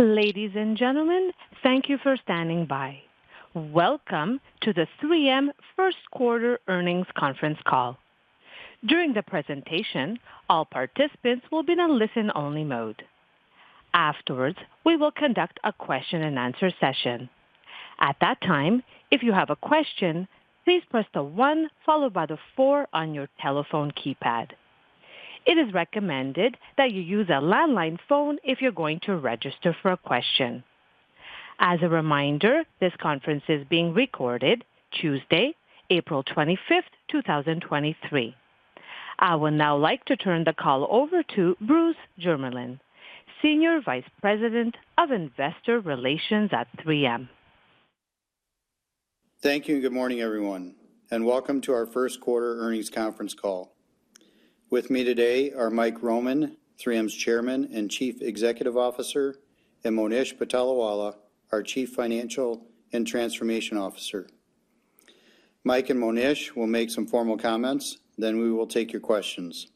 Ladies and gentlemen, thank you for standing by. Welcome to the 3M 1st quarter earnings conference call. During the presentation, all participants will be in a listen-only mode. Afterwards, we will conduct a question and answer session. At that time, if you have a question, please press the one followed by the four on your telephone keypad. It is recommended that you use a landline phone if you're going to register for a question. As a reminder, this conference is being recorded Tuesday, April 25th, 2023. I would now like to turn the call over to Bruce Jermeland, Senior Vice President of Investor Relations at 3M. Thank you. Good morning, everyone, and welcome to our 1st quarter earnings conference call. With me today are Mike Roman, 3M's Chairman and Chief Executive Officer, and Monish Patolawala, our Chief Financial and Transformation Officer. Mike and Monish will make some formal comments, then we will take your questions.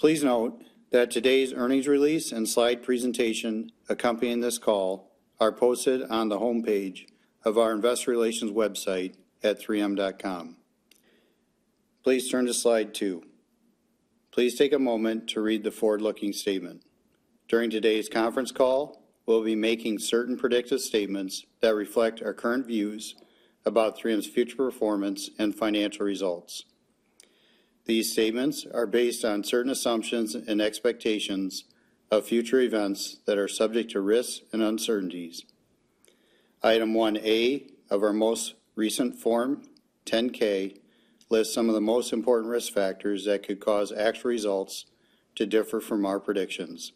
Please note that today's earnings release and slide presentation accompanying this call are posted on the homepage of our investor relations website at 3M.com. Please turn to slide two. Please take a moment to read the forward-looking statement. During today's conference call, we'll be making certain predictive statements that reflect our current views about 3M's future performance and financial results. These statements are based on certain assumptions and expectations of future events that are subject to risks and uncertainties. Item 1A of our most recent Form 10-K, lists some of the most important risk factors that could cause actual results to differ from our predictions.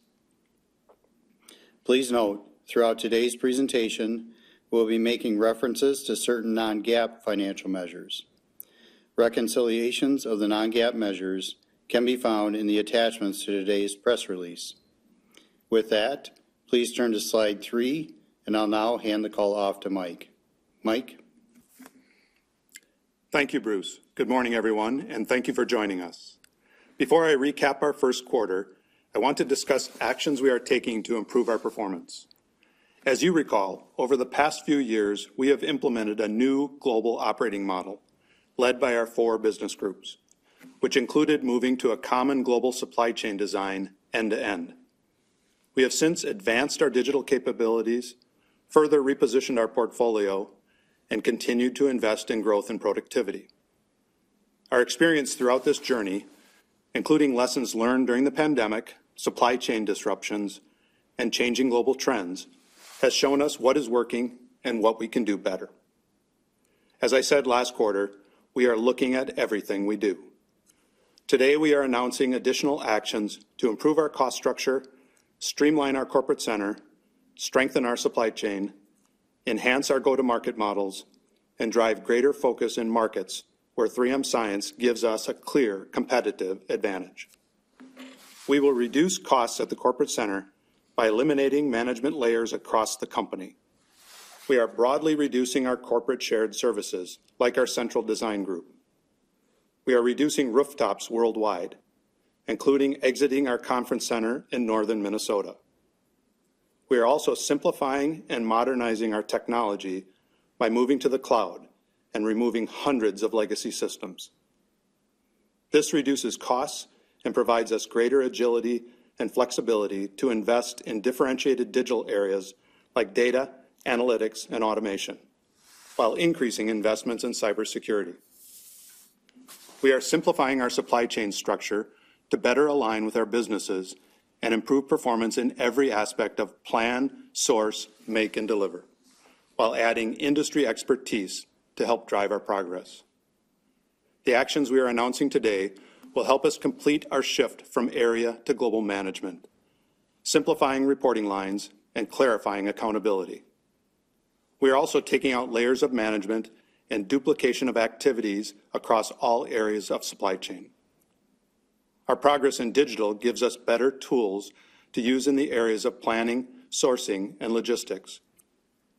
Please note, throughout today's presentation, we'll be making references to certain non-GAAP financial measures. Reconciliations of the non-GAAP measures can be found in the attachments to today's press release. With that, please turn to slide three, and I'll now hand the call off to Mike. Mike. Thank you, Bruce. Good morning, everyone. Thank you for joining us. Before I recap our 1st quarter, I want to discuss actions we are taking to improve our performance. As you recall, over the past few years, we have implemented a new global operating model led by our four Business Groups, which included moving to a common global supply chain design end-to-end. We have since advanced our digital capabilities, further repositioned our portfolio and continued to invest in growth and productivity. Our experience throughout this journey, including lessons learned during the pandemic, supply chain disruptions, and changing global trends, has shown us what is working and what we can do better. As I said last quarter, we are looking at everything we do. Today, we are announcing additional actions to improve our cost structure, streamline our corporate center, strengthen our supply chain, enhance our go-to-market models, and drive greater focus in markets where 3M science gives us a clear competitive advantage. We will reduce costs at the corporate center by eliminating management layers across the company. We are broadly reducing our corporate shared services like our central design group. We are reducing rooftops worldwide, including exiting our conference center in Northern Minnesota. We are also simplifying and modernizing our technology by moving to the cloud and removing hundreds of legacy systems. This reduces costs and provides us greater agility and flexibility to invest in differentiated digital areas like data, analytics, and automation, while increasing investments in cybersecurity. We are simplifying our supply chain structure to better align with our businesses and improve performance in every aspect of plan, source, make, and deliver, while adding industry expertise to help drive our progress. The actions we are announcing today will help us complete our shift from area to global management, simplifying reporting lines and clarifying accountability. We are also taking out layers of management and duplication of activities across all areas of supply chain. Our progress in digital gives us better tools to use in the areas of planning, sourcing, and logistics,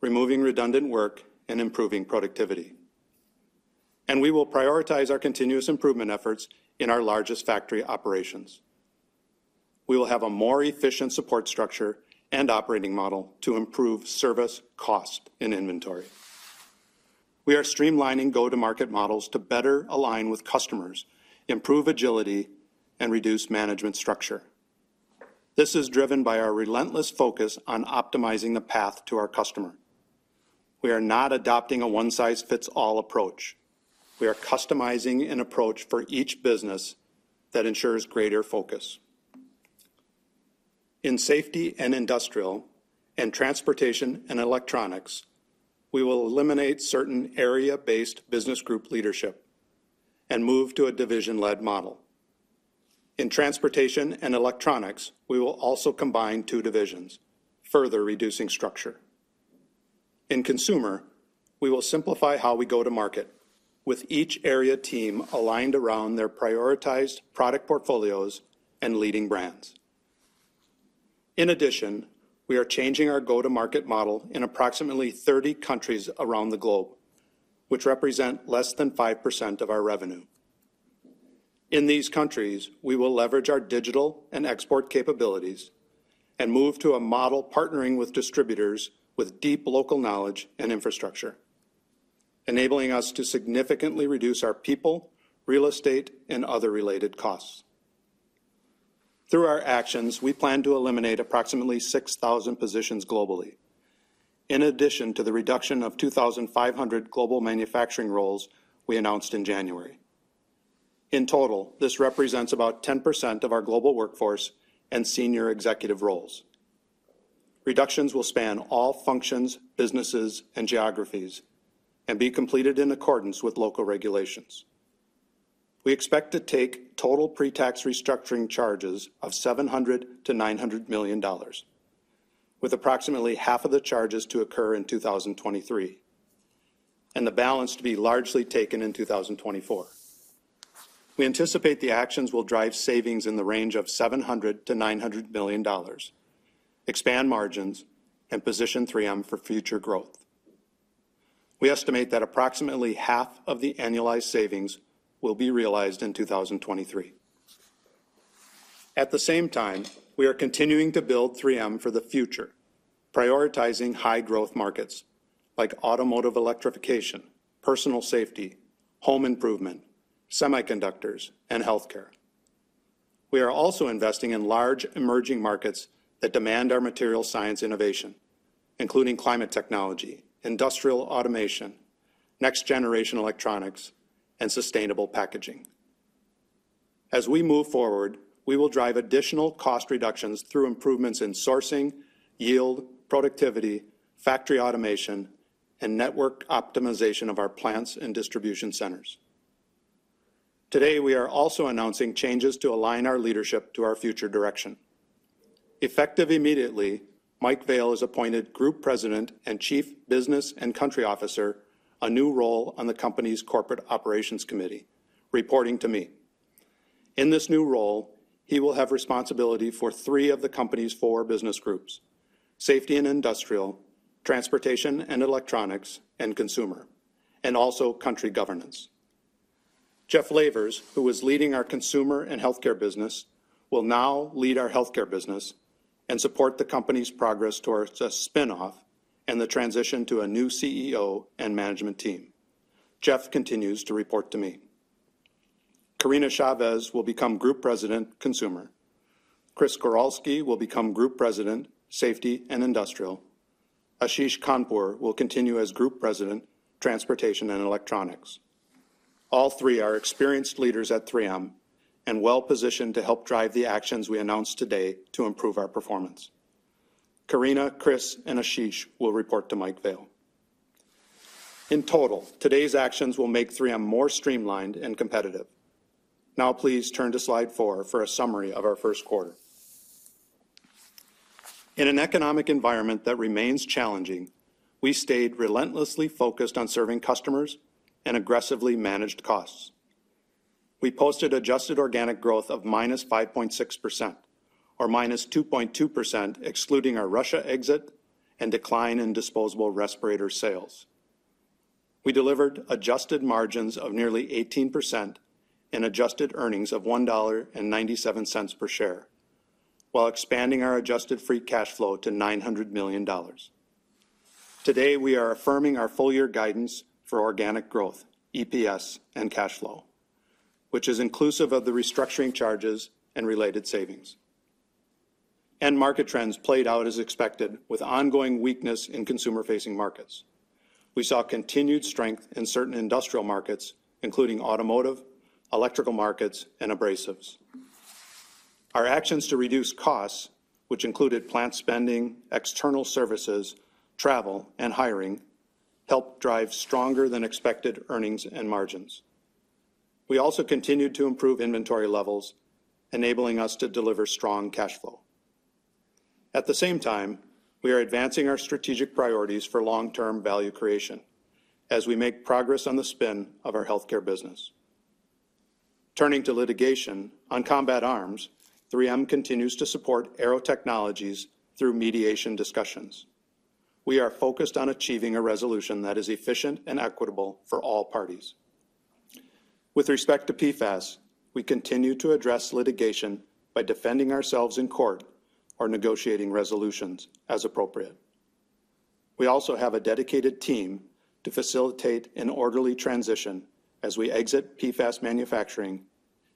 removing redundant work and improving productivity. We will prioritize our continuous improvement efforts in our largest factory operations. We will have a more efficient support structure and operating model to improve service, cost, and inventory. We are streamlining go-to-market models to better align with customers, improve agility, and reduce management structure. This is driven by our relentless focus on optimizing the path to our customer. We are not adopting a one-size-fits-all approach. We are customizing an approach for each business that ensures greater focus. In Safety and Industrial and Transportation and Electronics, we will eliminate certain area-based Business Group leadership and move to a division-led model. In Transportation and Electronics, we will also combine two divisions, further reducing structure. In Consumer, we will simplify how we go to market, with each area team aligned around their prioritized product portfolios and leading brands. In addition, we are changing our go-to-market model in approximately 30 countries around the globe, which represent less than 5% of our revenue. In these countries, we will leverage our digital and export capabilities and move to a model partnering with distributors with deep local knowledge and infrastructure, enabling us to significantly reduce our people, real estate, and other related costs. Through our actions, we plan to eliminate approximately 6,000 positions globally, in addition to the reduction of 2,500 global manufacturing roles we announced in January. In total, this represents about 10% of our global workforce and senior executive roles. Reductions will span all functions, businesses, and geographies and be completed in accordance with local regulations. We expect to take total pre-tax restructuring charges of $700 million-$900 million, with approximately half of the charges to occur in 2023, and the balance to be largely taken in 2024. We anticipate the actions will drive savings in the range of $700 million-$900 million, expand margins, and position 3M for future growth. We estimate that approximately half of the annualized savings will be realized in 2023. At the same time, we are continuing to build 3M for the future, prioritizing high-growth markets like automotive electrification, personal safety, home improvement, semiconductors, and healthcare. We are also investing in large emerging markets that demand our material science innovation, including climate technology, industrial automation, next-generation electronics, and sustainable packaging. As we move forward, we will drive additional cost reductions through improvements in sourcing, yield, productivity, factory automation, and network optimization of our plants and distribution centers. Today, we are also announcing changes to align our leadership to our future direction. Effective immediately, Mike Vale is appointed Group President and Chief Business and Country Officer, a new role on the company's Corporate Operations Committee, reporting to me. In this new role, he will have responsibility for three of the company's four business groups, Safety and Industrial, Transportation and Electronics, and Consumer, and also country governance. Jeff Lavers, who is leading our Consumer and Health Care business, will now lead our Health Care business and support the company's progress towards a spin-off and the transition to a new CEO and management team. Jeff continues to report to me. Karina Chavez will become Group President, Consumer. Chris Goralski will become Group President, Safety and Industrial. Ashish Khandpur will continue as Group President, Transportation and Electronics. All three are experienced leaders at 3M and well-positioned to help drive the actions we announced today to improve our performance. Karina, Chris, and Ashish will report to Mike Vale. In total, today's actions will make 3M more streamlined and competitive. Now please turn to slide four for a summary of our 1st quarter. In an economic environment that remains challenging, we stayed relentlessly focused on serving customers and aggressively managed costs. We posted adjusted organic growth of -5.6% or -2.2%, excluding our Russia exit and decline in disposable respirator sales. We delivered adjusted margins of nearly 18% and adjusted earnings of $1.97 per share while expanding our adjusted free cash flow to $900 million. Today, we are affirming our full year guidance for organic growth, EPS, and cash flow, which is inclusive of the restructuring charges and related savings. End market trends played out as expected with ongoing weakness in consumer-facing markets. We saw continued strength in certain industrial markets, including automotive, electrical markets, and abrasives. Our actions to reduce costs, which included plant spending, external services, travel, and hiring, helped drive stronger than expected earnings and margins. We also continued to improve inventory levels, enabling us to deliver strong cash flow. At the same time, we are advancing our strategic priorities for long-term value creation as we make progress on the spin of our Health Care business. Turning to litigation, on Combat Arms, 3M continues to support Aearo Technologies through mediation discussions. We are focused on achieving a resolution that is efficient and equitable for all parties. With respect to PFAS, we continue to address litigation by defending ourselves in court or negotiating resolutions as appropriate. We also have a dedicated team to facilitate an orderly transition as we exit PFAS manufacturing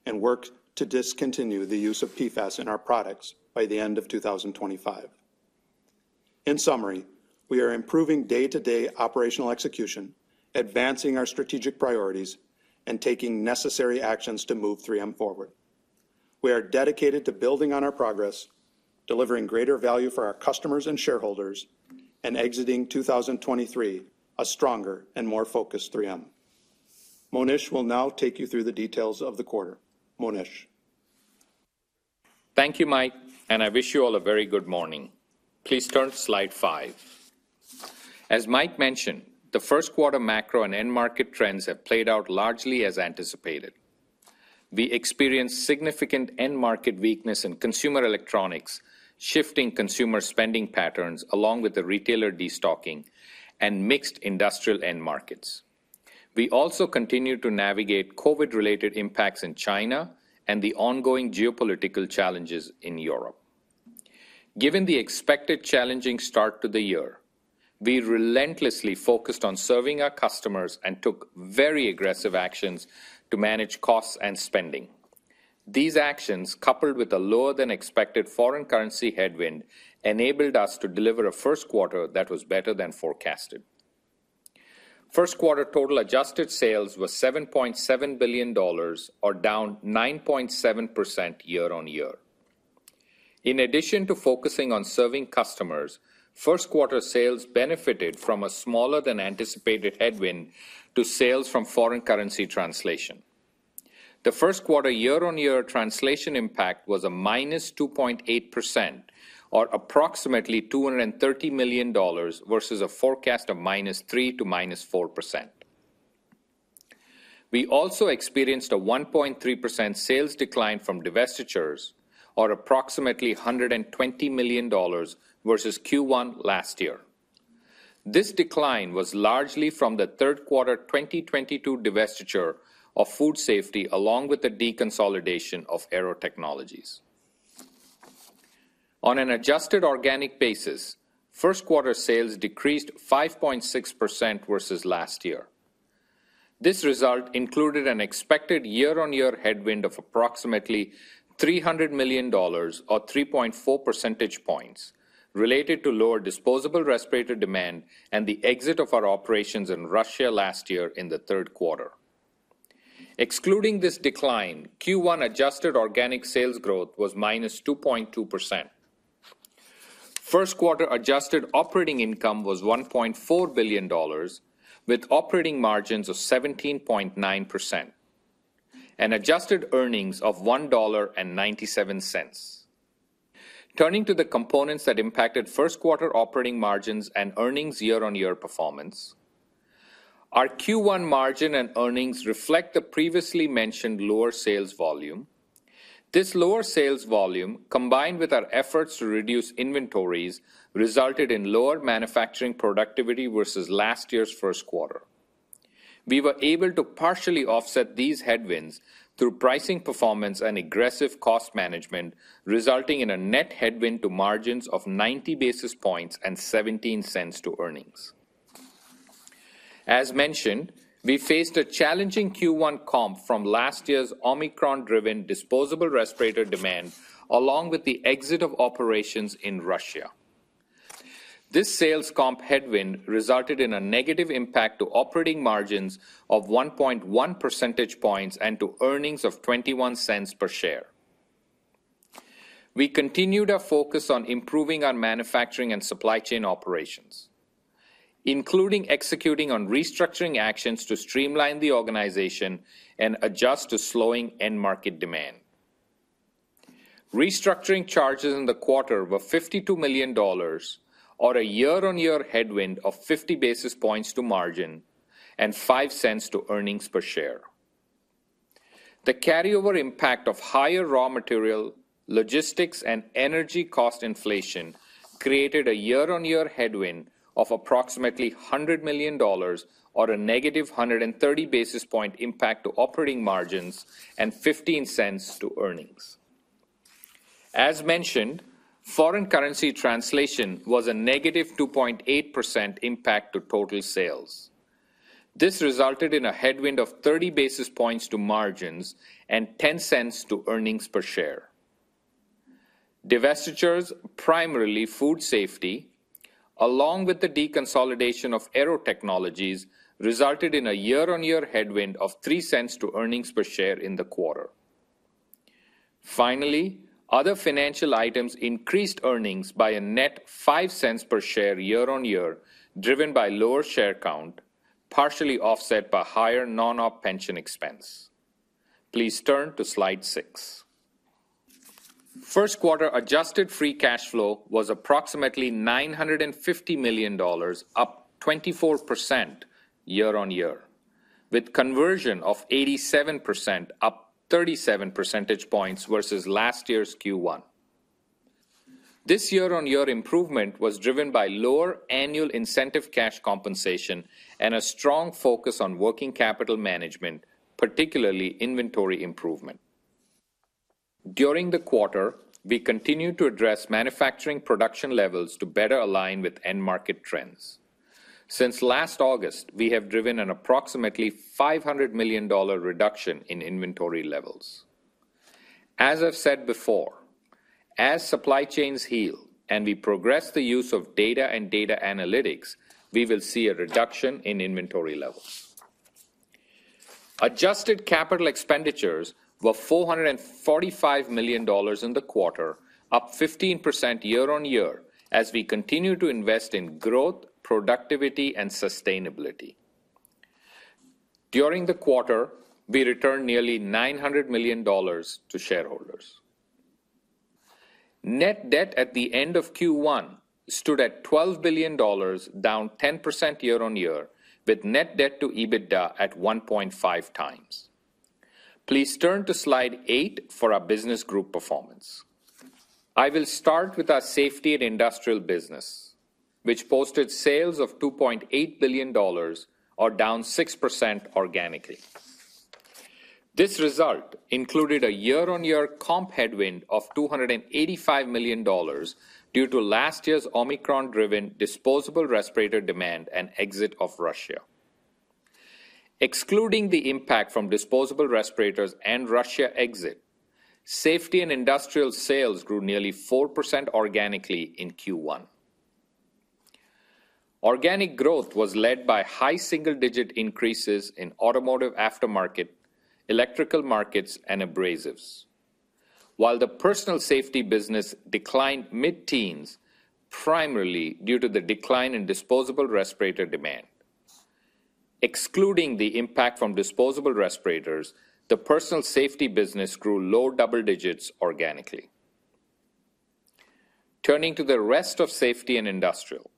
and work to discontinue the use of PFAS in our products by the end of 2025. In summary, we are improving day-to-day operational execution, advancing our strategic priorities, and taking necessary actions to move 3M forward. We are dedicated to building on our progress, delivering greater value for our customers and shareholders, and exiting 2023 a stronger and more focused 3M. Monish will now take you through the details of the quarter. Monish? Thank you, Mike. I wish you all a very good morning. Please turn to slide five. As Mike mentioned, the 1st quarter macro and end market trends have played out largely as anticipated. We experienced significant end market weakness in consumer electronics, shifting consumer spending patterns along with the retailer destocking and mixed industrial end markets. We also continued to navigate COVID-related impacts in China and the ongoing geopolitical challenges in Europe. Given the expected challenging start to the year, we relentlessly focused on serving our customers and took very aggressive actions to manage costs and spending. These actions, coupled with a lower than expected foreign currency headwind, enabled us to deliver a 1st quarter that was better than forecasted. 1st quarter total adjusted sales was $7.7 billion, or down 9.7% year-on-year. In addition to focusing on serving customers, 1st quarter sales benefited from a smaller than anticipated headwind to sales from foreign currency translation. The 1st quarter year-over-year translation impact was a -2.8% or approximately $230 million versus a forecast of -3% to -4%. We also experienced a 1.3% sales decline from divestitures, or approximately $120 million versus Q1 last year. This decline was largely from the 3rd quarter 2022 divestiture of Food Safety, along with the deconsolidation of Aearo Technologies. On an adjusted organic basis, 1st quarter sales decreased 5.6% versus last year. This result included an expected year-on-year headwind of approximately $300 million or 3.4 percentage points related to lower disposable respirator demand and the exit of our operations in Russia last year in the 3rd quarter. Excluding this decline, Q1 adjusted organic sales growth was -2.2%. 1st quarter adjusted operating income was $1.4 billion, with operating margins of 17.9% and adjusted earnings of $1.97. Turning to the components that impacted 1st quarter operating margins and earnings year-on-year performance, our Q1 margin and earnings reflect the previously mentioned lower sales volume. This lower sales volume, combined with our efforts to reduce inventories, resulted in lower manufacturing productivity versus last year's 1st quarter. We were able to partially offset these headwinds through pricing performance and aggressive cost management, resulting in a net headwind to margins of 90 basis points and $0.17 to earnings. As mentioned, we faced a challenging Q1 comp from last year's Omicron driven disposable respirator demand, along with the exit of operations in Russia. This sales comp headwind resulted in a negative impact to operating margins of 1.1 percentage points and to earnings of $0.21 per share. We continued our focus on improving our manufacturing and supply chain operations, including executing on restructuring actions to streamline the organization and adjust to slowing end market demand. Restructuring charges in the quarter were $52 million or a year-over-year headwind of 50 basis points to margin and $0.05 to earnings per share. The carryover impact of higher raw material, logistics, and energy cost inflation created a year-on-year headwind of approximately $100 million or a negative 130 basis point impact to operating margins and $0.15 to earnings. As mentioned, foreign currency translation was a negative 2.8% impact to total sales. This resulted in a headwind of 30 basis points to margins and $0.10 to earnings per share. Divestitures, primarily Food Safety, along with the deconsolidation of Aearo Technologies, resulted in a year-on-year headwind of $0.03 to earnings per share in the quarter. Finally, other financial items increased earnings by a net $0.05 per share year-on-year, driven by lower share count, partially offset by higher non-op pension expense. Please turn to slide six. 1st quarter adjusted free cash flow was approximately $950 million, up 24% year-on-year, with conversion of 87%, up 37 percentage points versus last year's Q1. This year-on-year improvement was driven by lower annual incentive cash compensation and a strong focus on working capital management, particularly inventory improvement. During the quarter, we continued to address manufacturing production levels to better align with end market trends. Since last August, we have driven an approximately $500 million reduction in inventory levels. As I've said before, as supply chains heal and we progress the use of data and data analytics, we will see a reduction in inventory levels. Adjusted capital expenditures were $445 million in the quarter, up 15% year-on-year as we continue to invest in growth, productivity and sustainability. During the quarter, we returned nearly $900 million to shareholders. Net debt at the end of Q1 stood at $12 billion, down 10% year-on-year, with net debt to EBITDA at 1.5 times. Please turn to slide eight for our business group performance. I will start with our Safety and Industrial business, which posted sales of $2.8 billion or down 6% organically. This result included a year-on-year comp headwind of $285 million due to last year's Omicron-driven disposable respirator demand and exit of Russia. Excluding the impact from disposable respirators and Russia exit, Safety and Industrial sales grew nearly 4% organically in Q1. Organic growth was led by high single-digit increases in automotive aftermarket, electrical markets, and abrasives. The personal safety business declined mid-teens, primarily due to the decline in disposable respirator demand. Excluding the impact from disposable respirators, the personal safety business grew low double digits organically. Turning to the rest of Safety and Industrial,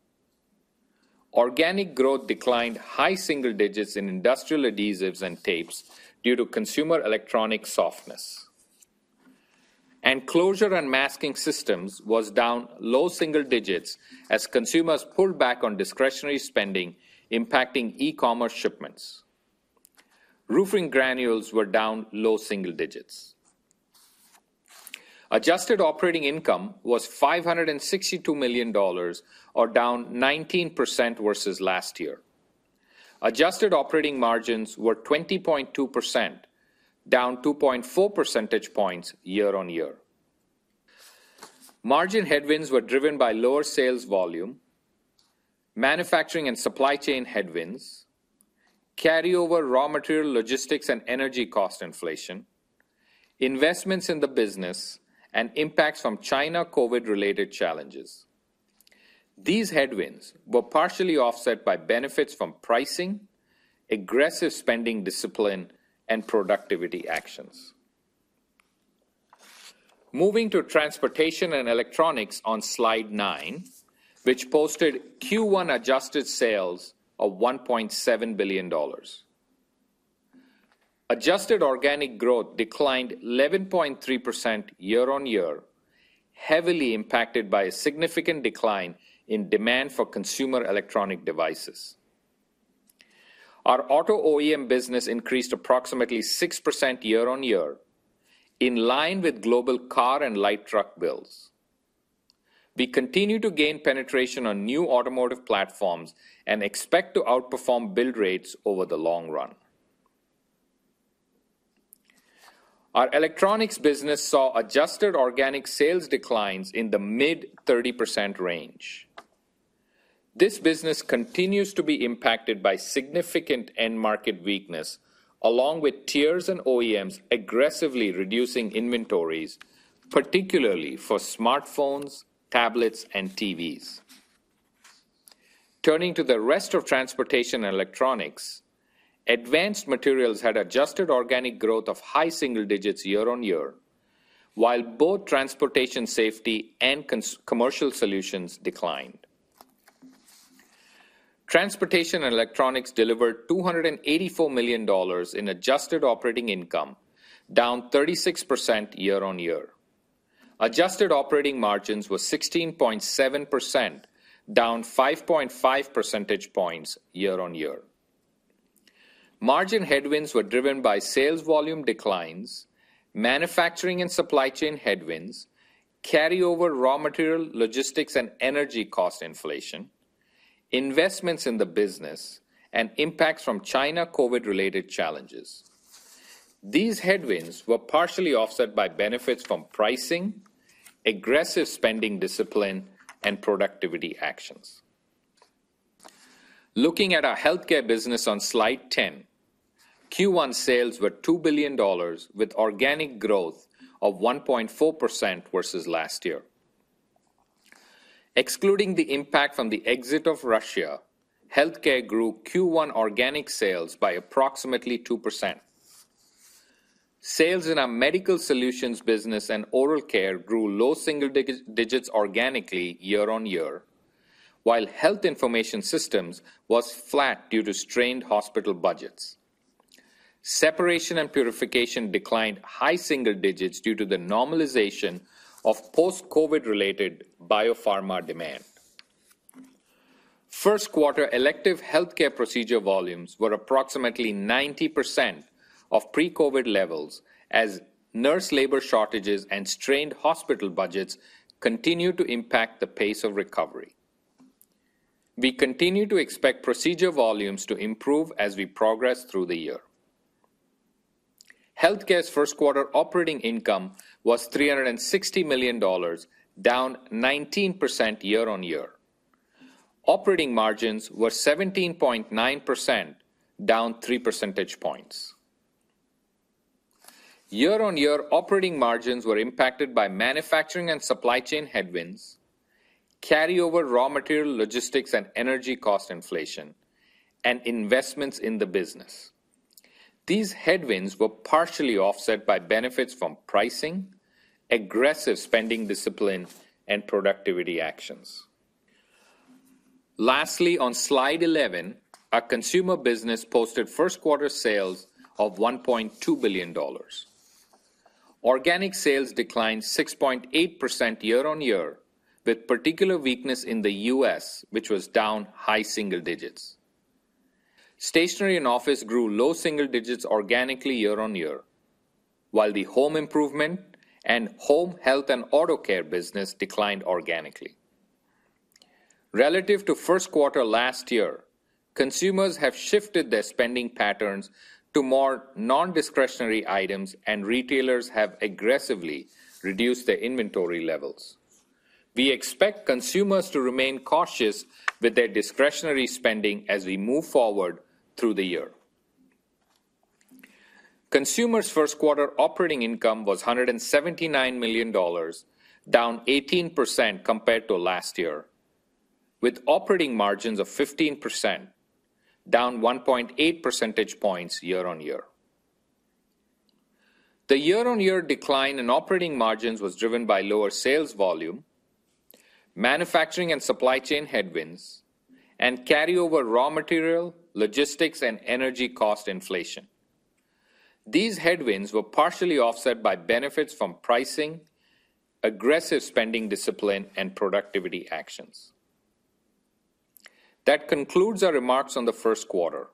organic growth declined high single digits in industrial adhesives and tapes due to consumer electronic softness. Enclosure and masking systems was down low single digits as consumers pulled back on discretionary spending, impacting e-commerce shipments. Roofing granules were down low single digits. Adjusted operating income was $562 million or down 19% versus last year. Adjusted operating margins were 20.2%, down 2.4 percentage points year-on-year. Margin headwinds were driven by lower sales volume, manufacturing and supply chain headwinds, carryover raw material logistics and energy cost inflation, investments in the business, and impacts from China COVID-related challenges. These headwinds were partially offset by benefits from pricing, aggressive spending discipline, and productivity actions. Moving to Transportation and Electronics on slide nine, which posted Q1 adjusted sales of $1.7 billion. Adjusted organic growth declined 11.3% year-on-year, heavily impacted by a significant decline in demand for consumer electronic devices. Our auto OEM business increased approximately 6% year-on-year, in line with global car and light truck builds. We continue to gain penetration on new automotive platforms and expect to outperform build rates over the long run. Our electronics business saw adjusted organic sales declines in the mid-30% range. This business continues to be impacted by significant end market weakness, along with tiers and OEMs aggressively reducing inventories, particularly for smartphones, tablets, and TVs. Turning to the rest of Transportation and Electronics, Advanced Materials had adjusted organic growth of high single digits year-on-year, while both Transportation Safety and Commercial Solutions declined. Transportation and Electronics delivered $284 million in adjusted operating income, down 36% year-on-year. Adjusted operating margins were 16.7%, down 5.5 percentage points year-on-year. Margin headwinds were driven by sales volume declines, manufacturing and supply chain headwinds, carryover raw material logistics and energy cost inflation, investments in the business, and impacts from China COVID-related challenges. These headwinds were partially offset by benefits from pricing, aggressive spending discipline, and productivity actions. Looking at our Health Care business on slide 10, Q1 sales were $2 billion with organic growth of 1.4% versus last year. Excluding the impact from the exit of Russia, Health Care grew Q1 organic sales by approximately 2%. Sales in our Medical Solutions business and Oral Care grew low single digits organically year-on-year, while Health Information Systems was flat due to strained hospital budgets. Separation and Purification declined high single digits due to the normalization of post-COVID related biopharma demand. 1st quarter elective healthcare procedure volumes were approximately 90% of pre-COVID levels as nurse labor shortages and strained hospital budgets continue to impact the pace of recovery. We continue to expect procedure volumes to improve as we progress through the year. Health Care's 1st quarter operating income was $360 million, down 19% year-on-year. Operating margins were 17.9%, down three percentage points. Year-on-year operating margins were impacted by manufacturing and supply chain headwinds, carryover raw material logistics and energy cost inflation, and investments in the business. These headwinds were partially offset by benefits from pricing, aggressive spending discipline, and productivity actions. Lastly, on slide 11, our Consumer business posted 1st quarter sales of $1.2 billion. Organic sales declined 6.8% year-on-year, with particular weakness in the U.S., which was down high single digits. Stationery and office grew low single digits organically year-on-year, while the home improvement and home health and auto care business declined organically. Relative to 1st quarter last year, consumers have shifted their spending patterns to more non-discretionary items, and retailers have aggressively reduced their inventory levels. We expect consumers to remain cautious with their discretionary spending as we move forward through the year. Consumers 1st quarter operating income was $179 million, down 18% compared to last year, with operating margins of 15%, down 1.8 percentage points year-on-year. The year-on-year decline in operating margins was driven by lower sales volume, manufacturing and supply chain headwinds, and carryover raw material, logistics, and energy cost inflation. These headwinds were partially offset by benefits from pricing, aggressive spending discipline, and productivity actions. That concludes our remarks on the 1st quarter.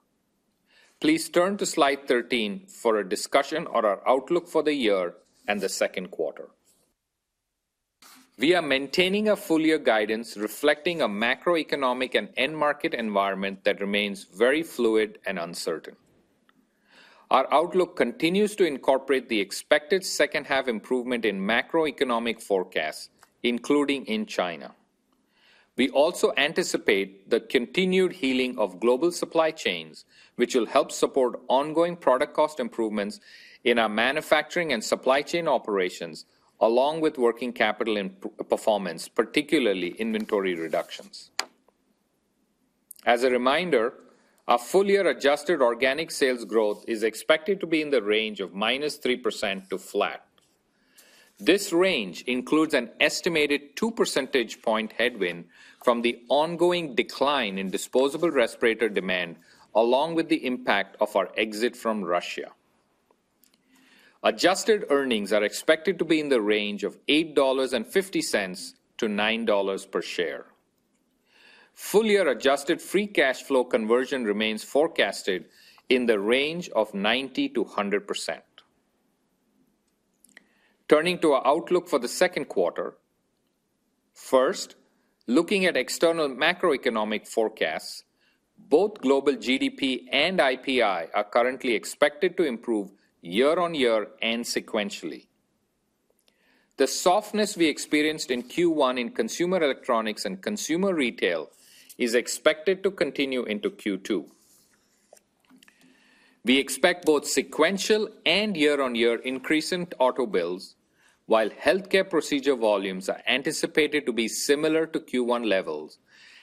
Please turn to slide 13 for a discussion on our outlook for the year and the 2nd quarter. We are maintaining a full-year guidance reflecting a macroeconomic and end market environment that remains very fluid and uncertain. Our outlook continues to incorporate the expected second half improvement in macroeconomic forecasts, including in China. We also anticipate the continued healing of global supply chains, which will help support ongoing product cost improvements in our manufacturing and supply chain operations, along with working capital performance, particularly inventory reductions. As a reminder, our full year adjusted organic sales growth is expected to be in the range of -3% to flat. This range includes an estimated two percentage point headwind from the ongoing decline in disposable respirator demand, along with the impact of our exit from Russia. Adjusted earnings are expected to be in the range of $8.50-$9.00 per share. Full year adjusted free cash flow conversion remains forecasted in the range of 90%-100%. Turning to our outlook for the 2nd quarter, first, looking at external macroeconomic forecasts, both global GDP and IPI are currently expected to improve year-on-year and sequentially. The softness we experienced in Q1 in consumer electronics and consumer retail is expected to continue into Q2. We expect both sequential and year-on-year increase in auto bills, while healthcare procedure volumes are anticipated to be similar to Q1 levels.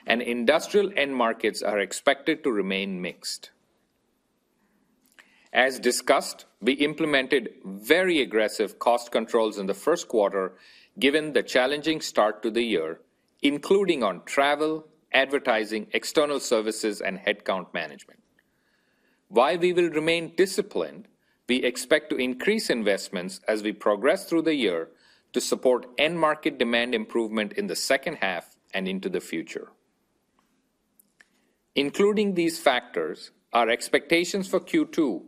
Industrial end markets are expected to remain mixed. As discussed, we implemented very aggressive cost controls in the 1st quarter given the challenging start to the year, including on travel, advertising, external services, and headcount management. While we will remain disciplined, we expect to increase investments as we progress through the year to support end market demand improvement in the second half and into the future. Including these factors, our expectations for Q2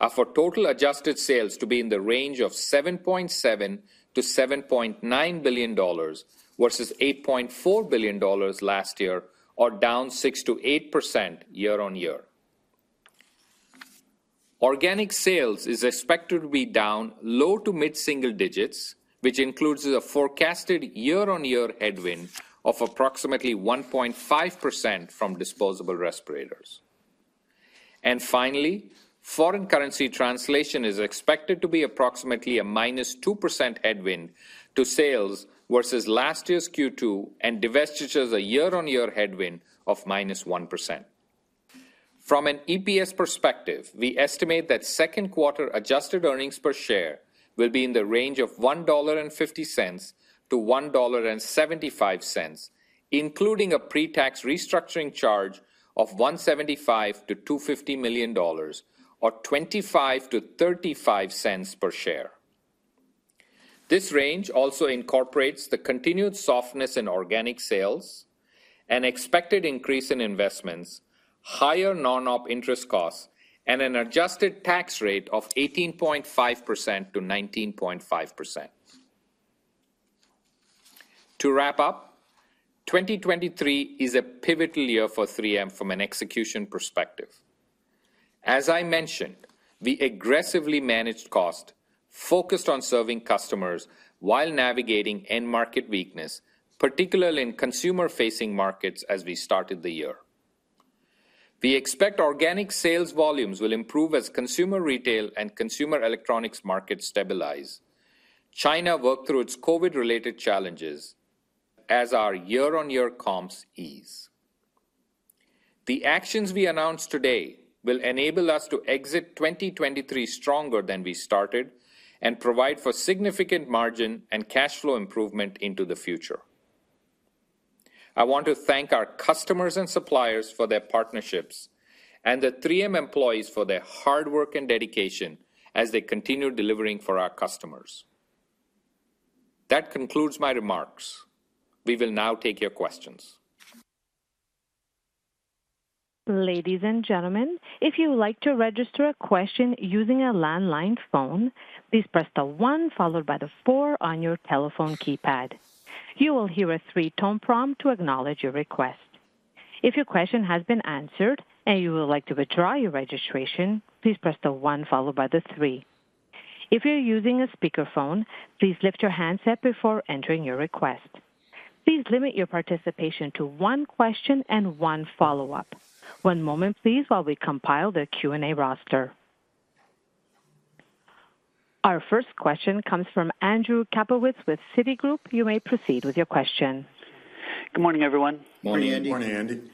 are for total adjusted sales to be in the range of $7.7 billion-$7.9 billion versus $8.4 billion last year or down 6%-8% year-on-year. Organic sales is expected to be down low to mid-single digits, which includes a forecasted year-on-year headwind of approximately 1.5% from disposable respirators. Finally, foreign currency translation is expected to be approximately a -2% headwind to sales versus last year's Q2 and divestitures a year-on-year headwind of -1%. From an EPS perspective, we estimate that 2nd quarter adjusted earnings per share will be in the range of $1.50-$1.75, including a pre-tax restructuring charge of $175 million-$250 million or $0.25-$0.35 per share. This range also incorporates the continued softness in organic sales, an expected increase in investments, higher non-op interest costs, and an adjusted tax rate of 18.5%-19.5%. To wrap up, 2023 is a pivotal year for 3M from an execution perspective. As I mentioned, we aggressively managed cost, focused on serving customers while navigating end market weakness, particularly in consumer-facing markets as we started the year. We expect organic sales volumes will improve as consumer retail and consumer electronics markets stabilize, China work through its COVID-related challenges as our year-on-year comps ease. The actions we announced today will enable us to exit 2023 stronger than we started and provide for significant margin and cash flow improvement into the future. I want to thank our customers and suppliers for their partnerships and the 3M employees for their hard work and dedication as they continue delivering for our customers. That concludes my remarks. We will now take your questions. Ladies and gentlemen, if you would like to register a question using a landline phone, please press the one followed by the four on your telephone keypad. You will hear a three-tone prompt to acknowledge your request. If your question has been answered and you would like to withdraw your registration, please press the one followed by the three. If you're using a speakerphone, please lift your handset before entering your request. Please limit your participation to one question and one follow-up. One moment, please, while we compile the Q&A roster. Our first question comes from Andrew Kaplowitz with Citigroup. You may proceed with your question. Good morning, everyone. Morning, Andy. Morning.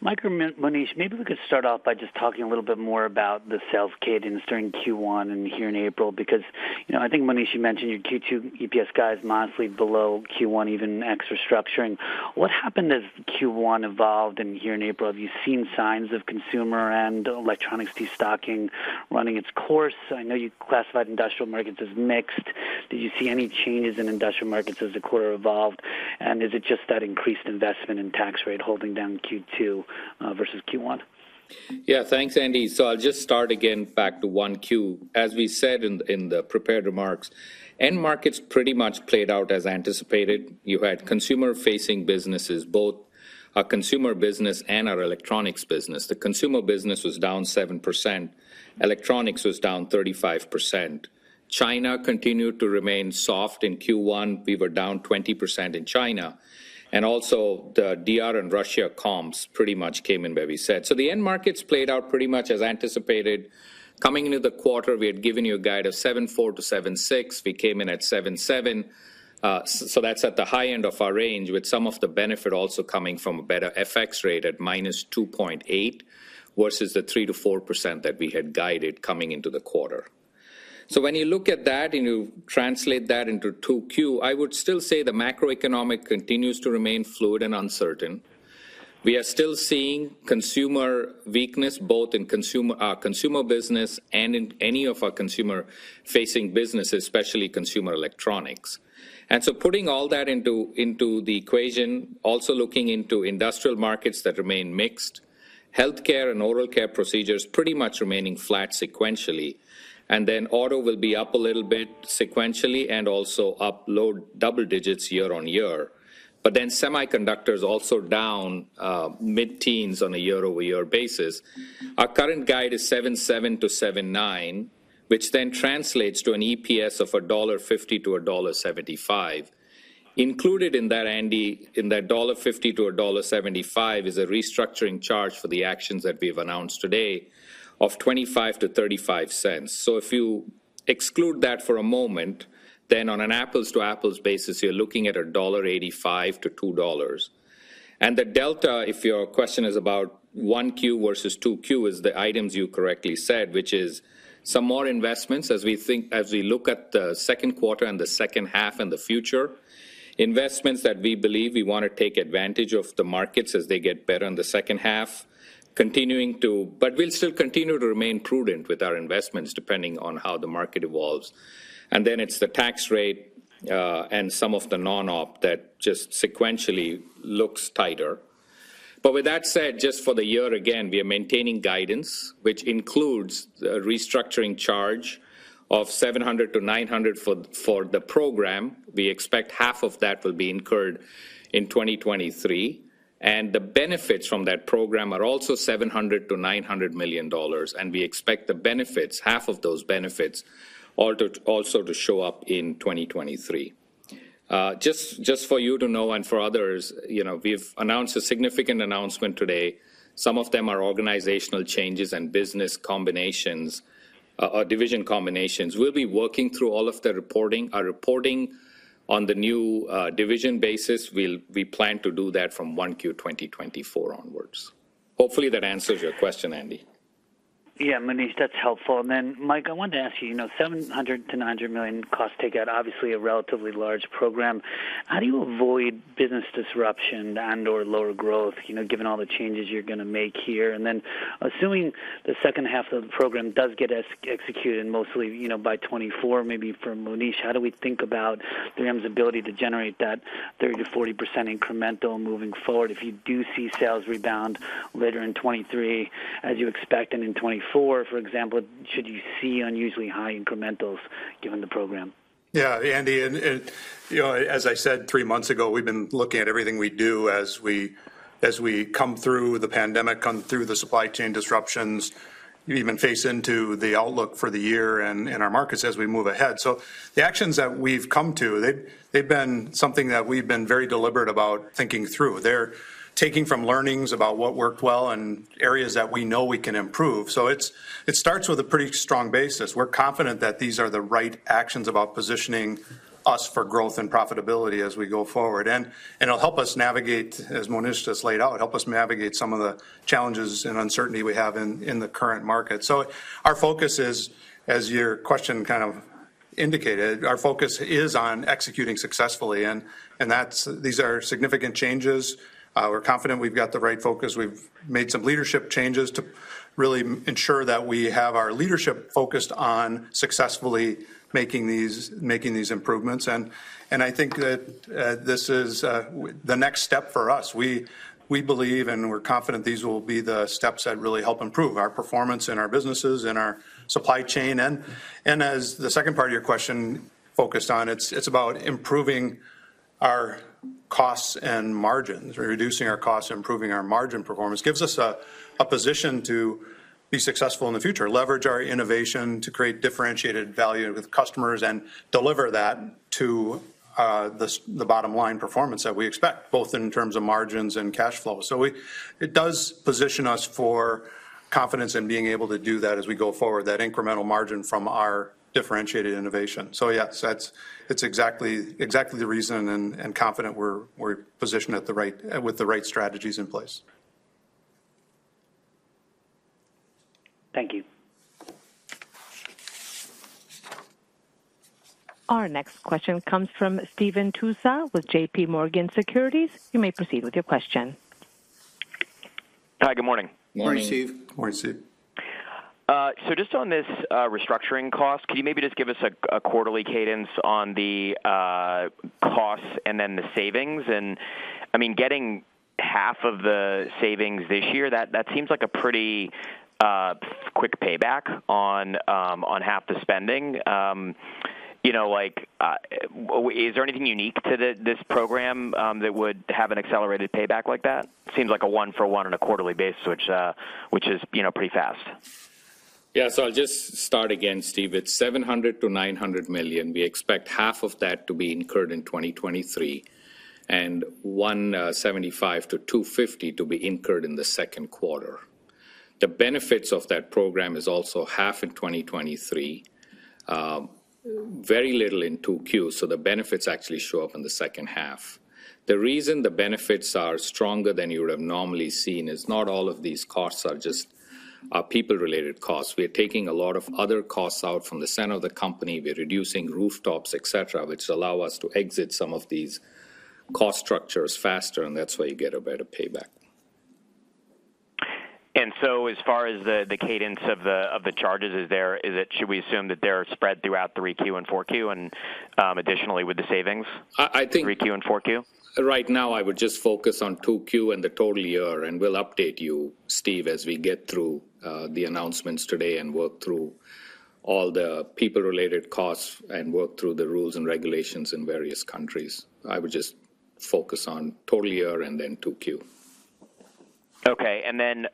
Mike or Monish, maybe we could start off by just talking a little bit more about the sales guidance during Q1 and here in April, because, you know, I think Monish, you mentioned your Q2 EPS guide is modestly below Q1, even ex restructuring. What happened as Q1 evolved and here in April? Have you seen signs of Consumer and Electronics destocking running its course? I know you classified industrial markets as mixed. Do you see any changes in industrial markets as the quarter evolved? Is it just that increased investment and tax rate holding down Q2 versus Q1? Yeah. Thanks, Andy. I'll just start again back to 1Q. As we said in the prepared remarks, end markets pretty much played out as anticipated. You had consumer-facing businesses, both our Consumer business and our Electronics business. The Consumer business was down 7%, Electronics was down 35%. China continued to remain soft in Q1. We were down 20% in China. Also the DR and Russia comps pretty much came in where we said. The end markets played out pretty much as anticipated. Coming into the quarter, we had given you a guide of 7.4-7.6. We came in at 7.7. That's at the high end of our range, with some of the benefit also coming from a better FX rate at -2.8 versus the 3%-4% that we had guided coming into the quarter. When you look at that and you translate that into 2Q, I would still say the macroeconomic continues to remain fluid and uncertain. We are still seeing consumer weakness both in our Consumer business and in any of our consumer-facing businesses, especially consumer electronics. Putting all that into the equation, also looking into industrial markets that remain mixed, Health Care and Oral Care procedures pretty much remaining flat sequentially. Auto will be up a little bit sequentially and also up low double digits year-on-year. Semiconductors also down mid-teens on a year-over-year basis. Our current guide is $7.7-$7.9, which then translates to an EPS of $1.50-$1.75. Included in that, Andy, in that $1.50-$1.75 is a restructuring charge for the actions that we've announced today of $0.25-$0.35. If you exclude that for a moment, on an apples-to-apples basis, you're looking at $1.85-$2.00. The delta, if your question is about 1Q versus 2Q, is the items you correctly said, which is some more investments as we look at the 2nd quarter and the second half and the future. Investments that we believe we wanna take advantage of the markets as they get better in the second half. We'll still continue to remain prudent with our investments, depending on how the market evolves. It's the tax rate and some of the non-op that just sequentially looks tighter. With that said, just for the year, again, we are maintaining guidance, which includes the restructuring charge of $700 million-$900 million for the program. We expect half of that will be incurred in 2023, and the benefits from that program are also $700 million-$900 million, and we expect the benefits, half of those benefits, also to show up in 2023. Just for you to know and for others, you know, we've announced a significant announcement today. Some of them are organizational changes and business combinations, division combinations. We'll be working through all of the reporting. Our reporting on the new division basis we plan to do that from 1Q 2024 onwards. Hopefully, that answers your question, Andy. Yeah. Monish, that's helpful. Mike, I wanted to ask you know, $700 million-$900 million cost takeout, obviously a relatively large program. How do you avoid business disruption and/or lower growth, you know, given all the changes you're gonna make here? Assuming the second half of the program does get executed mostly, you know, by 2024, maybe from Monish, how do we think about 3M's ability to generate that 30%-40% incremental moving forward if you do see sales rebound later in 2023 as you expect? In 2024, for example, should you see unusually high incrementals given the program? Yeah. Andy, and, you know, as I said three months ago, we've been looking at everything we do as we come through the pandemic, come through the supply chain disruptions, even face into the outlook for the year and our markets as we move ahead. The actions that we've come to, they've been something that we've been very deliberate about thinking through. They're taking from learnings about what worked well and areas that we know we can improve. It starts with a pretty strong basis. We're confident that these are the right actions about positioning us for growth and profitability as we go forward. It'll help us navigate, as Monish just laid out, help us navigate some of the challenges and uncertainty we have in the current market. Our focus is, as your question kind of- Indicated our focus is on executing successfully and these are significant changes. We're confident we've got the right focus. We've made some leadership changes to really ensure that we have our leadership focused on successfully making these improvements. I think that this is the next step for us. We believe and we're confident these will be the steps that really help improve our performance and our businesses and our supply chain. As the second part of your question focused on, it's about improving our costs and margins or reducing our costs, improving our margin performance. Gives us a position to be successful in the future, leverage our innovation to create differentiated value with customers and deliver that to the bottom line performance that we expect, both in terms of margins and cash flow. It does position us for confidence in being able to do that as we go forward, that incremental margin from our differentiated innovation. Yes, that's exactly the reason and confident we're positioned at the right with the right strategies in place. Thank you. Our next question comes from Stephen Tusa with JPMorgan Securities. You may proceed with your question. Hi, good morning. Morning, Steve. Morning, Steve. Just on this restructuring cost, can you maybe just give us a quarterly cadence on the costs and then the savings? I mean, getting half of the savings this year, that seems like a pretty quick payback on half the spending. You know, like, is there anything unique to this program that would have an accelerated payback like that? Seems like a one-for-one on a quarterly basis, which is, you know, pretty fast. Yeah. I'll just start again, Steve. It's $700 million-$900 million. We expect half of that to be incurred in 2023, $175 million-$250 million to be incurred in the 2nd quarter. The benefits of that program is also half in 2023, very little in 2Q. The benefits actually show up in the second half. The reason the benefits are stronger than you would have normally seen is not all of these costs are just people related costs. We are taking a lot of other costs out from the center of the company. We're reducing rooftops, et cetera, which allow us to exit some of these cost structures faster, that's why you get a better payback. As far as the cadence of the, of the charges, should we assume that they're spread throughout 3Q and 4Q and, additionally with the savings, 3Q and 4Q? Right now I would just focus on 2Q and the total year, and we'll update you, Steve, as we get through the announcements today and work through all the people related costs and work through the rules and regulations in various countries. I would just focus on total year and then 2Q. Okay.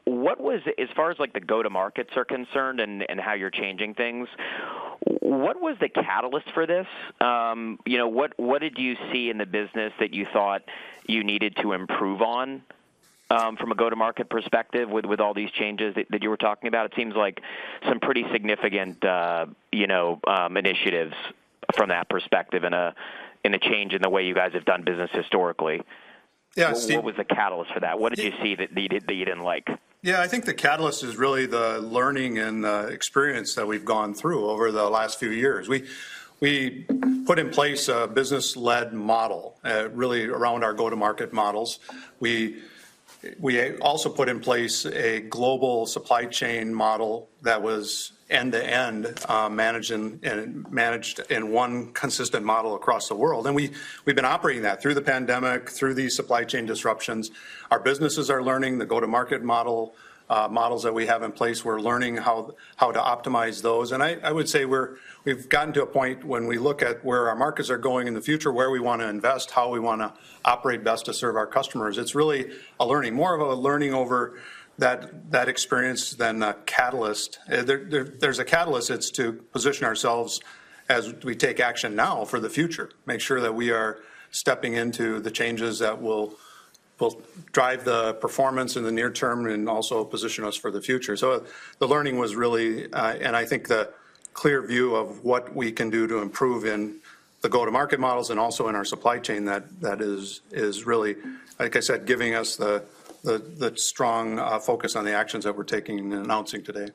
What was, as far as like the go-to-markets are concerned and how you're changing things, what was the catalyst for this? You know, what did you see in the business that you thought you needed to improve on from a go-to-market perspective with all these changes that you were talking about? It seems like some pretty significant, you know, initiatives from that perspective and a change in the way you guys have done business historically. Yeah, Steve. What was the catalyst for that? What did you see that you didn't like? Yeah. I think the catalyst is really the learning and the experience that we've gone through over the last few years. We put in place a business-led model, really around our go-to-market models. We also put in place a global supply chain model that was end-to-end, managed in one consistent model across the world. We've been operating that through the pandemic, through these supply chain disruptions. Our businesses are learning the go-to-market model, models that we have in place. We're learning how to optimize those. I would say we've gotten to a point when we look at where our markets are going in the future, where we wanna invest, how we wanna operate best to serve our customers, it's really a learning. More of a learning over that experience than a catalyst. There's a catalyst. It's to position ourselves as we take action now for the future, make sure that we are stepping into the changes that will drive the performance in the near term and also position us for the future. The learning was really, and I think the clear view of what we can do to improve in the go-to-market models and also in our supply chain that is really, like I said, giving us the strong focus on the actions that we're taking and announcing today.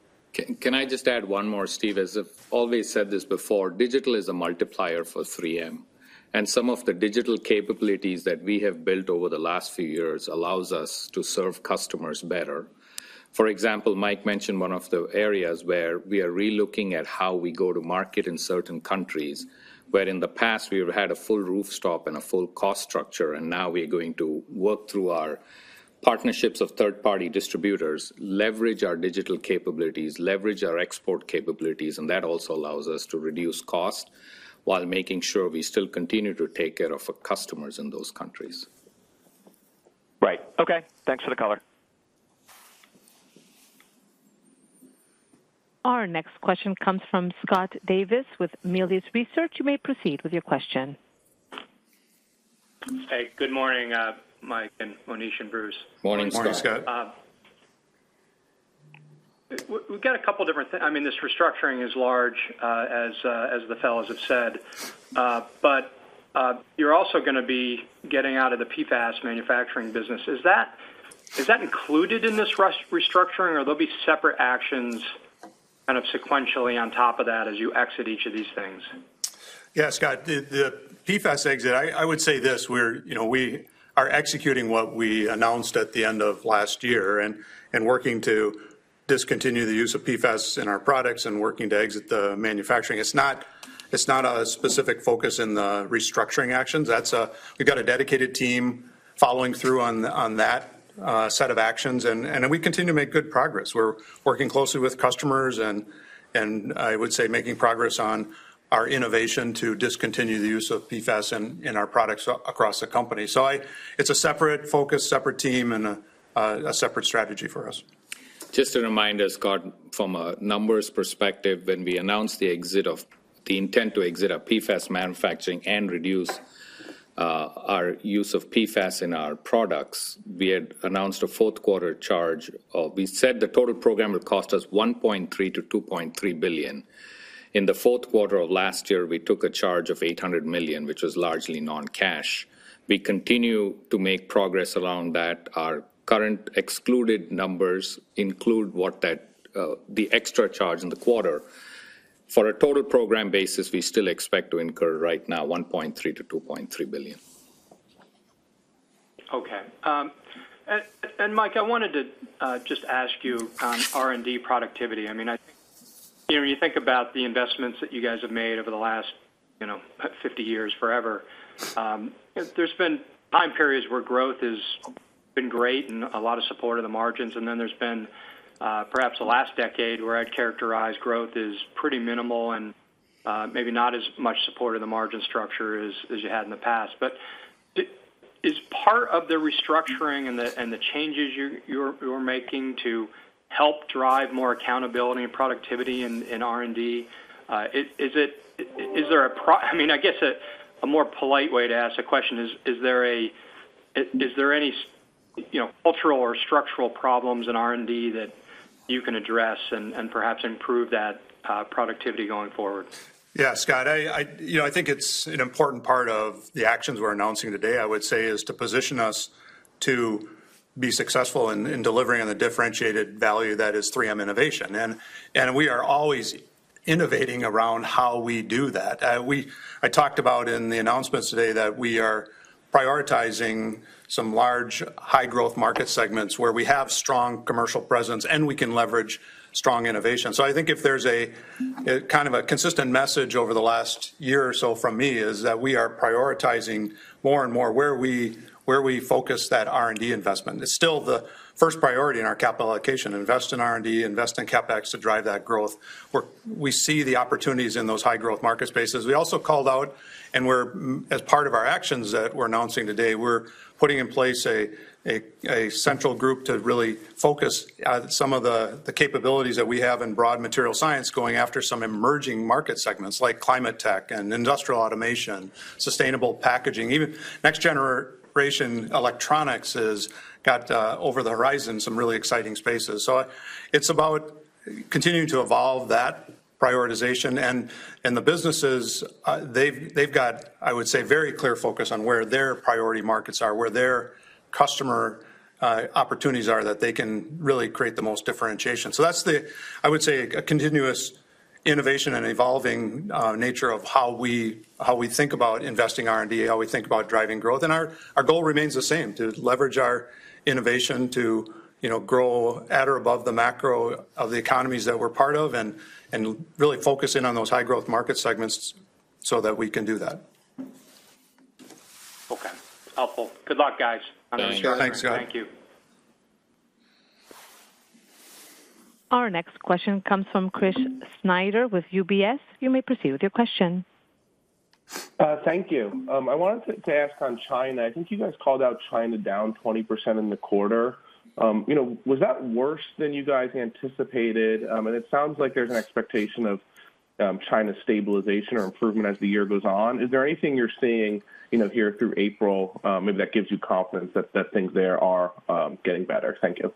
Can I just add one more, Steve? As I've always said this before, digital is a multiplier for 3M, and some of the digital capabilities that we have built over the last few years allows us to serve customers better. For example, Mike mentioned one of the areas where we are relooking at how we go to market in certain countries, where in the past we've had a full rooftop and a full cost structure, and now we're going to work through our partnerships of third-party distributors, leverage our digital capabilities, leverage our export capabilities, and that also allows us to reduce cost while making sure we still continue to take care of our customers in those countries. Right. Okay. Thanks for the color. Our next question comes from Scott Davis with Melius Research. You may proceed with your question. Hey, good morning, Mike and Monish and Bruce. Morning, Scott. Morning, Scott. I mean, this restructuring is large, as the fellows have said. Also gonna be getting out of the PFAS manufacturing business. Is that included in this restructuring or there'll be separate actions kind of sequentially on top of that as you exit each of these things? Yeah, Scott, the PFAS exit, I would say this: we're, you know, we are executing what we announced at the end of last year and working to discontinue the use of PFAS in our products and working to exit the manufacturing. It's not a specific focus in the restructuring actions. That's a, we've got a dedicated team following through on that set of actions and we continue to make good progress. We're working closely with customers and I would say making progress on our innovation to discontinue the use of PFAS in our products across the company. I, it's a separate focus, separate team, and a separate strategy for us. Just to remind us, Scott, from a numbers perspective, when we announced the intent to exit our PFAS manufacturing and reduce our use of PFAS in our products, we had announced a 4th quarter charge of we said the total program would cost us $1.3 billion-$2.3 billion. In the 4th quarter of last year, we took a charge of $800 million, which was largely non-cash. We continue to make progress around that. Our current excluded numbers include what that, the extra charge in the quarter. For a total program basis, we still expect to incur right now $1.3 billion-$2.3 billion. Okay. And Mike, I wanted to just ask you on R&D productivity. I mean, I think, you know, when you think about the investments that you guys have made over the last, you know, 50 years, forever, there's been time periods where growth has been great and a lot of support of the margins. Then there's been, perhaps the last decade where I'd characterize growth as pretty minimal and, maybe not as much support of the margin structure as you had in the past. But is part of the restructuring and the changes you're making to help drive more accountability and productivity in R&D, is there a pro? I mean, I guess a more polite way to ask the question is there a, is there any you know, cultural or structural problems in R&D that you can address and perhaps improve that productivity going forward? Yeah, Scott, you know, I think it's an important part of the actions we're announcing today, I would say, is to position us to be successful in delivering on the differentiated value that is 3M innovation. We are always innovating around how we do that. I talked about in the announcements today that we are prioritizing some large high-growth market segments where we have strong commercial presence, and we can leverage strong innovation. I think if there's a kind of a consistent message over the last year or so from me, is that we are prioritizing more and more where we focus that R&D investment. It's still the first priority in our capital allocation, invest in R&D, invest in CapEx to drive that growth, where we see the opportunities in those high-growth market spaces. We also called out, as part of our actions that we're announcing today, we're putting in place a central group to really focus some of the capabilities that we have in broad material science going after some emerging market segments like climate tech and industrial automation, sustainable packaging, even next generation electronics has got over the horizon some really exciting spaces. It's about continuing to evolve that prioritization. The businesses, they've got, I would say, very clear focus on where their priority markets are, where their customer opportunities are that they can really create the most differentiation. That's the, I would say, a continuous innovation and evolving nature of how we, how we think about investing R&D, how we think about driving growth. Our goal remains the same, to leverage our innovation to, you know, grow at or above the macro of the economies that we're part of and really focus in on those high growth market segments so that we can do that. Okay. Helpful. Good luck, guys. Thanks, Scott. Thanks. Thanks, Scott. Thank you. Our next question comes from Chris Snyder with UBS. You may proceed with your question. Thank you. I wanted to ask on China. I think you guys called out China down 20% in the quarter. You know, was that worse than you guys anticipated? It sounds like there's an expectation of China's stabilization or improvement as the year goes on. Is there anything you're seeing, you know, here through April, maybe that gives you confidence that things there are getting better? Thank you.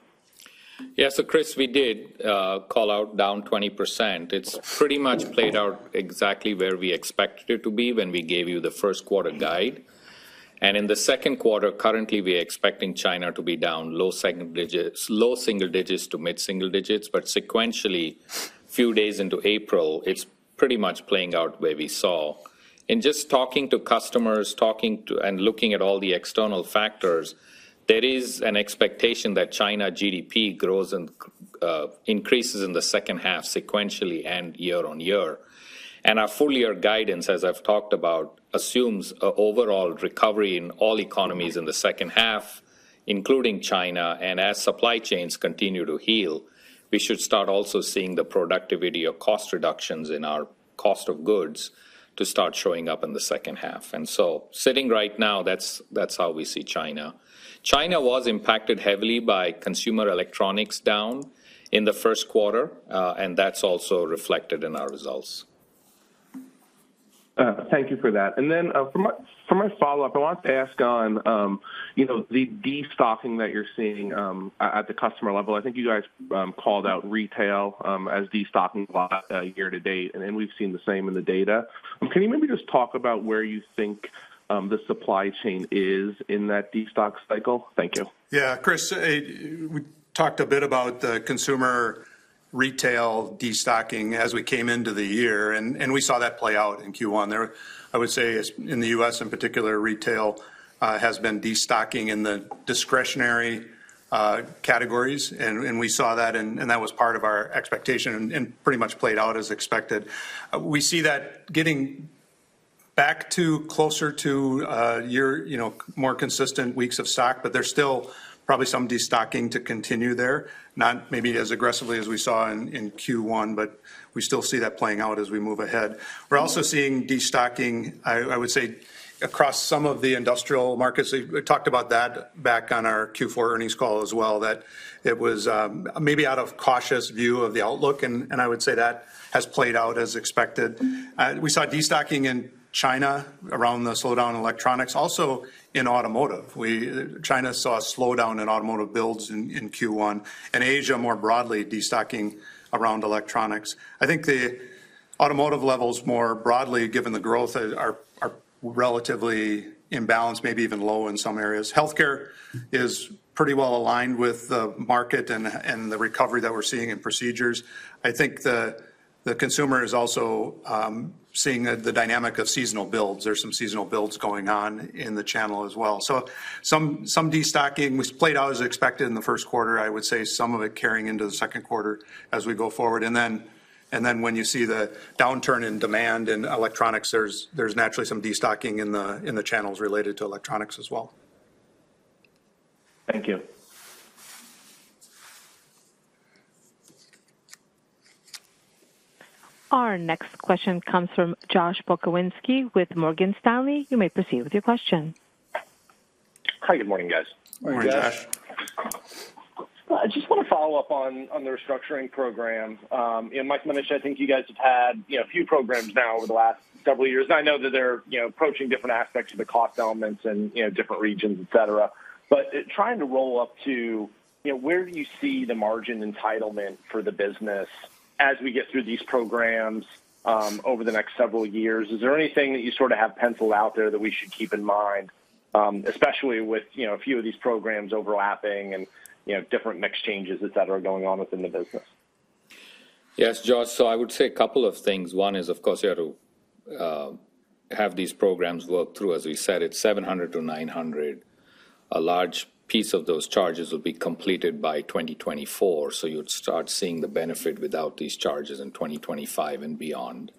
Chris, we did call out down 20%. It's pretty much played out exactly where we expected it to be when we gave you the 1st quarter guide. In the 2nd quarter, currently, we're expecting China to be down low single digits to mid single digits, but sequentially, few days into April, it's pretty much playing out where we saw. In just talking to customers, talking to and looking at all the external factors, there is an expectation that China GDP grows and increases in the second half sequentially and year on year. Our full year guidance, as I've talked about, assumes a overall recovery in all economies in the second half, including China. As supply chains continue to heal, we should start also seeing the productivity of cost reductions in our cost of goods to start showing up in the second half. Sitting right now, that's how we see China. China was impacted heavily by consumer electronics down in the 1st quarter, and that's also reflected in our results. Thank you for that. Then, for my follow-up, I wanted to ask on, you know, the destocking that you're seeing at the customer level. I think you guys called out retail as destocking about year to date, and we've seen the same in the data. Can you maybe just talk about where you think the supply chain is in that destock cycle? Thank you. Yeah, Chris, We talked a bit about the Consumer retail destocking as we came into the year, and we saw that play out in Q1. I would say as, in the U.S., in particular, retail has been destocking in the discretionary categories. We saw that and that was part of our expectation and pretty much played out as expected. We see that getting back to closer to, you know, more consistent weeks of stock, but there's still probably some destocking to continue there. Not maybe as aggressively as we saw in Q1, but we still see that playing out as we move ahead. We're also seeing destocking, I would say, across some of the industrial markets. We talked about that back on our Q4 earnings call as well, that it was maybe out of cautious view of the outlook, and I would say that has played out as expected. We saw destocking in China around the slowdown in electronics, also in automotive. China saw a slowdown in automotive builds in Q1, Asia more broadly destocking around electronics. I think the automotive levels more broadly, given the growth are relatively imbalanced, maybe even low in some areas. Health Care is pretty well aligned with the market and the recovery that we're seeing in procedures. I think the Consumer is also seeing the dynamic of seasonal builds. There's some seasonal builds going on in the channel as well. Some destocking was played out as expected in the 1st quarter. I would say some of it carrying into the 2nd quarter as we go forward. When you see the downturn in demand in electronics, there's naturally some destocking in the channels related to electronics as well. Thank you. Our next question comes from Josh Pokrzywinski with Morgan Stanley. You may proceed with your question. Hi. Good morning, guys. Good morning, Josh. Morning, Josh. I just want to follow up on the restructuring program. You know, Mike, Monish, I think you guys have had, you know, a few programs now over the last couple of years. I know that they're, you know, approaching different aspects of the cost elements and, you know, different regions, et cetera. Trying to roll up to, you know, where do you see the margin entitlement for the business as we get through these programs, over the next several years? Is there anything that you sort of have penciled out there that we should keep in mind, especially with, you know, a few of these programs overlapping and, you know, different mix changes, et cetera, going on within the business? Yes, Josh. I would say a couple of things. One is, of course, you have to have these programs work through. As we said, it's $700-$900. A large piece of those charges will be completed by 2024, so you'd start seeing the benefit without these charges in 2025 and beyond.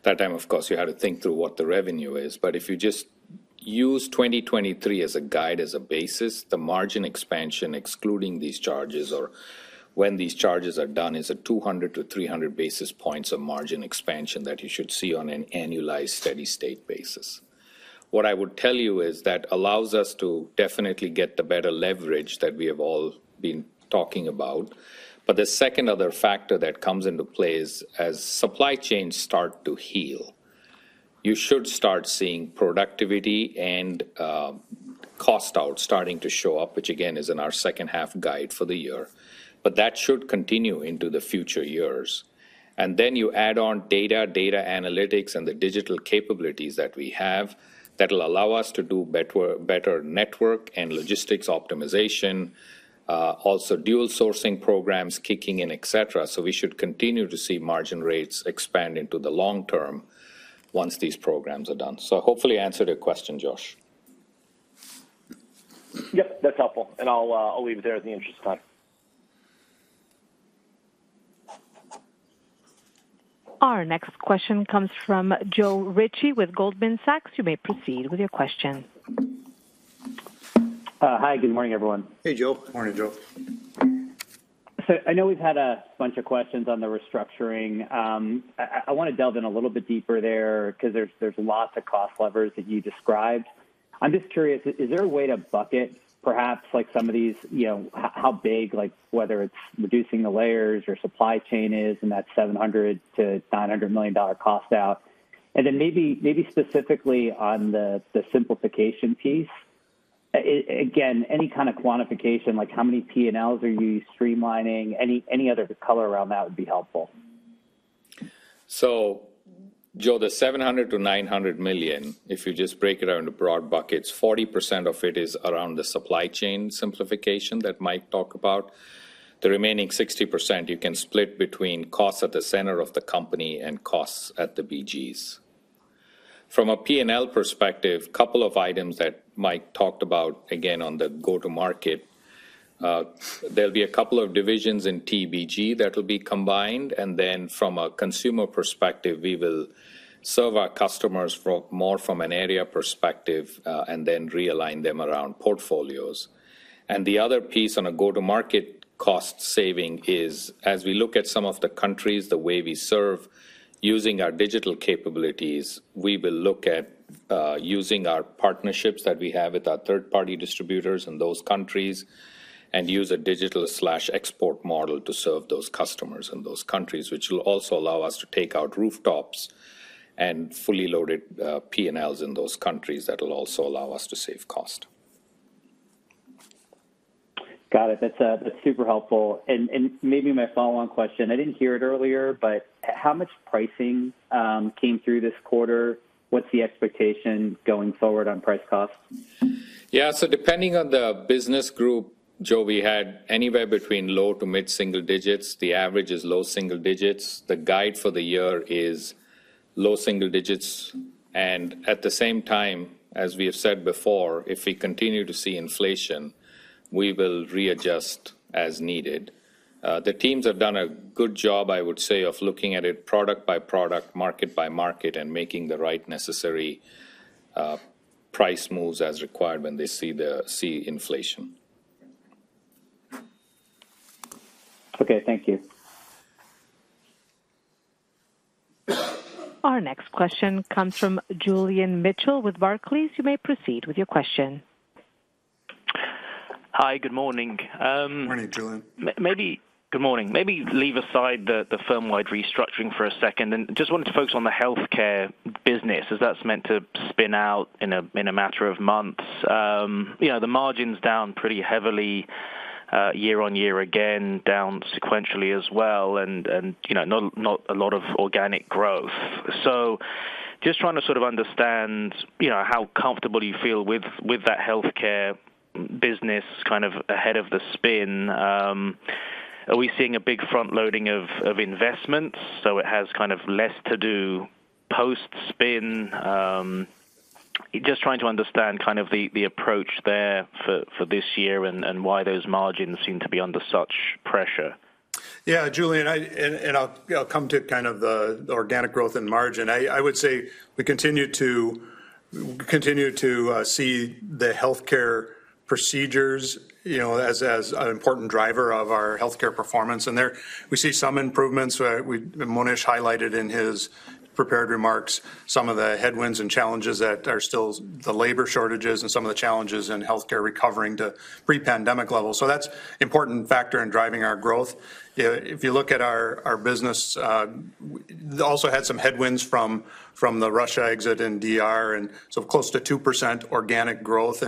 That time, of course, you have to think through what the revenue is. If you just use 2023 as a guide, as a basis, the margin expansion, excluding these charges or when these charges are done, is a 200-300 basis points of margin expansion that you should see on an annualized steady-state basis. What I would tell you is that allows us to definitely get the better leverage that we have all been talking about. The second other factor that comes into play is as supply chains start to heal, you should start seeing productivity and cost outs starting to show up, which again, is in our second half guide for the year. That should continue into the future years. Then you add on data analytics, and the digital capabilities that we have that'll allow us to do better network and logistics optimization, also dual sourcing programs kicking in, et cetera. We should continue to see margin rates expand into the long term once these programs are done. Hopefully I answered your question, Josh. Yep, that's helpful. I'll leave it there in the interest of time. Our next question comes from Joe Ritchie with Goldman Sachs. You may proceed with your question. Hi. Good morning, everyone. Hey, Joe. Morning, Joe. I know we've had a bunch of questions on the restructuring. I wanna delve in a little bit deeper there because there's lots of cost levers that you described. I'm just curious, is there a way to bucket perhaps like some of these, you know, how big, like whether it's reducing the layers your supply chain is in that $700 million-$900 million cost out? Then maybe specifically on the simplification piece, again, any kind of quantification, like how many P&Ls are you streamlining? Any other color around that would be helpful. Joe, the $700 million-$900 million, if you just break it out into broad buckets, 40% of it is around the supply chain simplification that Mike talked about. The remaining 60% you can split between costs at the center of the company and costs at the BGs. From a P&L perspective, couple of items that Mike talked about, again, on the go-to-market, there'll be a couple of divisions in TEBG that will be combined. From a Consumer perspective, we will serve our customers more from an area perspective, and then realign them around portfolios. The other piece on a go-to-market cost saving is, as we look at some of the countries, the way we serve using our digital capabilities, we will look at using our partnerships that we have with our third-party distributors in those countries and use a digital/export model to serve those customers in those countries, which will also allow us to take out rooftops and fully loaded PNLs in those countries that will also allow us to save cost. Got it. That's super helpful. Maybe my follow-on question, I didn't hear it earlier, but how much pricing came through this quarter? What's the expectation going forward on price costs? Yeah. Depending on the business group, Joe, we had anywhere between low to mid-single digits. The average is low single digits. The guide for the year is low single digits. At the same time, as we have said before, if we continue to see inflation, we will readjust as needed. The teams have done a good job, I would say, of looking at it product by product, market by market, and making the right necessary price moves as required when they see inflation. Okay, thank you. Our next question comes from Julian Mitchell with Barclays. You may proceed with your question. Hi, good morning. Morning, Julian. Good morning. Maybe leave aside the firm-wide restructuring for a second, Just wanted to focus on the Health Care business as that's meant to spin out in a matter of months. You know, the margin's down pretty heavily year-on-year again, down sequentially as well and, you know, not a lot of organic growth. Just trying to sort of understand, you know, how comfortable you feel with that Health Care business kind of ahead of the spin. Are we seeing a big front loading of investments, so it has kind of less to do post-spin? Just trying to understand kind of the approach there for this year and why those margins seem to be under such pressure. Yeah, Julian, I'll, you know, come to kind of the organic growth and margin. I would say we continue to see the healthcare procedures, you know, as an important driver of our healthcare performance. There we see some improvements. Monish highlighted in his prepared remarks some of the headwinds and challenges that are still the labor shortages and some of the challenges in healthcare recovering to pre-pandemic levels. That's important factor in driving our growth. If you look at our business, we also had some headwinds from the Russia exit and DR, close to 2% organic growth.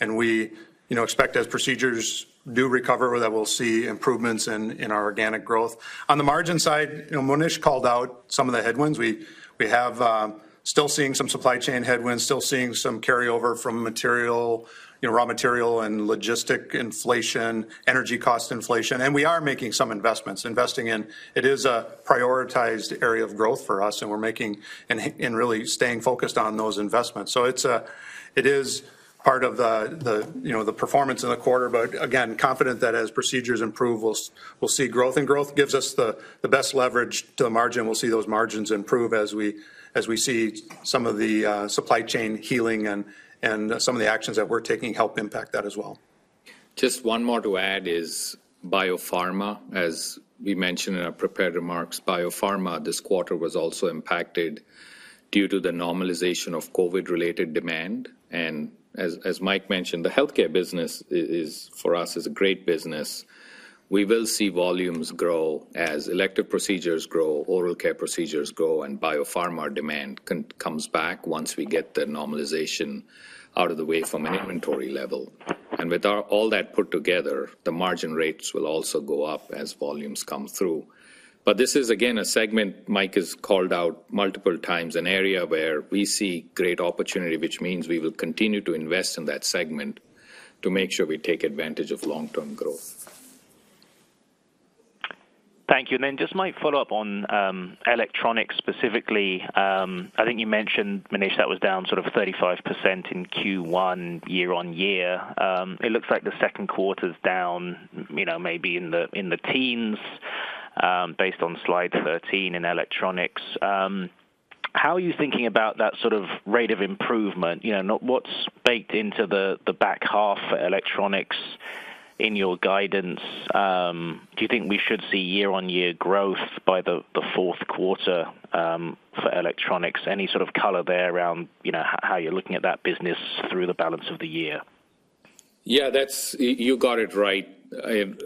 We, you know, expect as procedures do recover that we'll see improvements in our organic growth. On the margin side, you know, Monish called out some of the headwinds. We have, still seeing some supply chain headwinds, still seeing some carryover from material, you know, raw material and logistic inflation, energy cost inflation. We are making some investments. Investing in it is a prioritized area of growth for us, and we're making and really staying focused on those investments. It is part of the, you know, the performance in the quarter. Again, confident that as procedures improve, we'll see growth. Growth gives us the best leverage to the margin. We'll see those margins improve as we see some of the supply chain healing and some of the actions that we're taking help impact that as well. Just one more to add is biopharma. As we mentioned in our prepared remarks, biopharma this quarter was also impacted due to the normalization of COVID-related demand. As Mike mentioned, the Health Care business, for us, is a great business. We will see volumes grow as elective procedures grow, Oral Care procedures grow, and biopharma demand comes back once we get the normalization out of the way from an inventory level. With our all that put together, the margin rates will also go up as volumes come through. This is, again, a segment Mike has called out multiple times, an area where we see great opportunity, which means we will continue to invest in that segment to make sure we take advantage of long-term growth. Thank you. Then just Mike follow up on Electronics specifically. I think you mentioned, Monish, that was down sort of 35% in Q1 year-on-year. It looks like the 2nd quarter's down, you know, maybe in the, in the teens, based on slide 13 in Electronics. How are you thinking about that sort of rate of improvement? You know, what's baked into the back half for Electronics in your guidance? Do you think we should see year-on-year growth by the 4th quarter, for Electronics? Any sort of color there around, you know, how you're looking at that business through the balance of the year? Yeah, that's you got it right.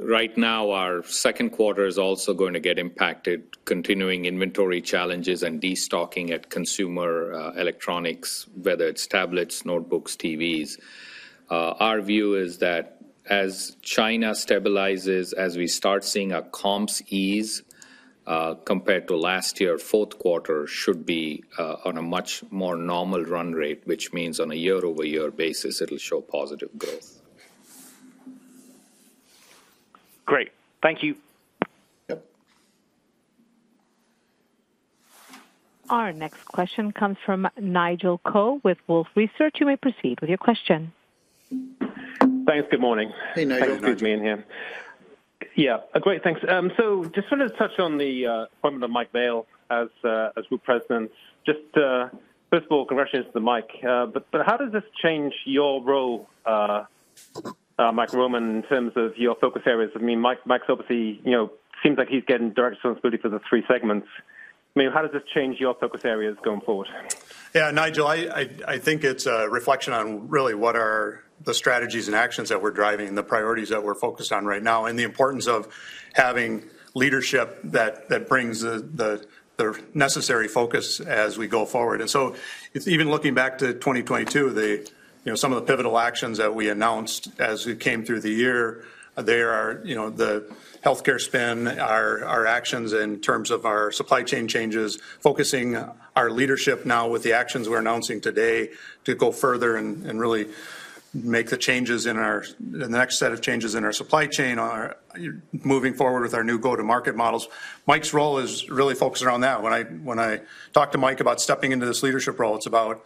Right now our 2nd quarter is also going to get impacted, continuing inventory challenges and destocking at Consumer electronics, whether it's tablets, notebooks, TVs. Our view is that as China stabilizes, as we start seeing a comps ease compared to last year, 4th quarter should be on a much more normal run rate, which means on a year-over-year basis, it'll show positive growth. Great. Thank you. Yep. Our next question comes from Nigel Coe with Wolfe Research. You may proceed with your question. Thanks. Good morning. Hey, Nigel. Excuse me in here. Yeah. Great, thanks. Just wanted to touch on the appointment of Mike Vale as Group President. Just, first of all, congratulations to Mike. How does this change your role, Mike Roman, in terms of your focus areas? I mean, Mike's obviously, you know, seems like he's getting direct responsibility for the three segments. I mean, how does this change your focus areas going forward? Nigel, I think it's a reflection on really what are the strategies and actions that we're driving and the priorities that we're focused on right now, and the importance of having leadership that brings the necessary focus as we go forward. It's even looking back to 2022, the, you know, some of the pivotal actions that we announced as we came through the year, they are, you know, the Health Care spend, our actions in terms of our supply chain changes, focusing our leadership now with the actions we're announcing today to go further and really make the changes in our the next set of changes in our supply chain are moving forward with our new go-to-market models. Mike's role is really focused around that. When I talked to Mike about stepping into this leadership role, it's about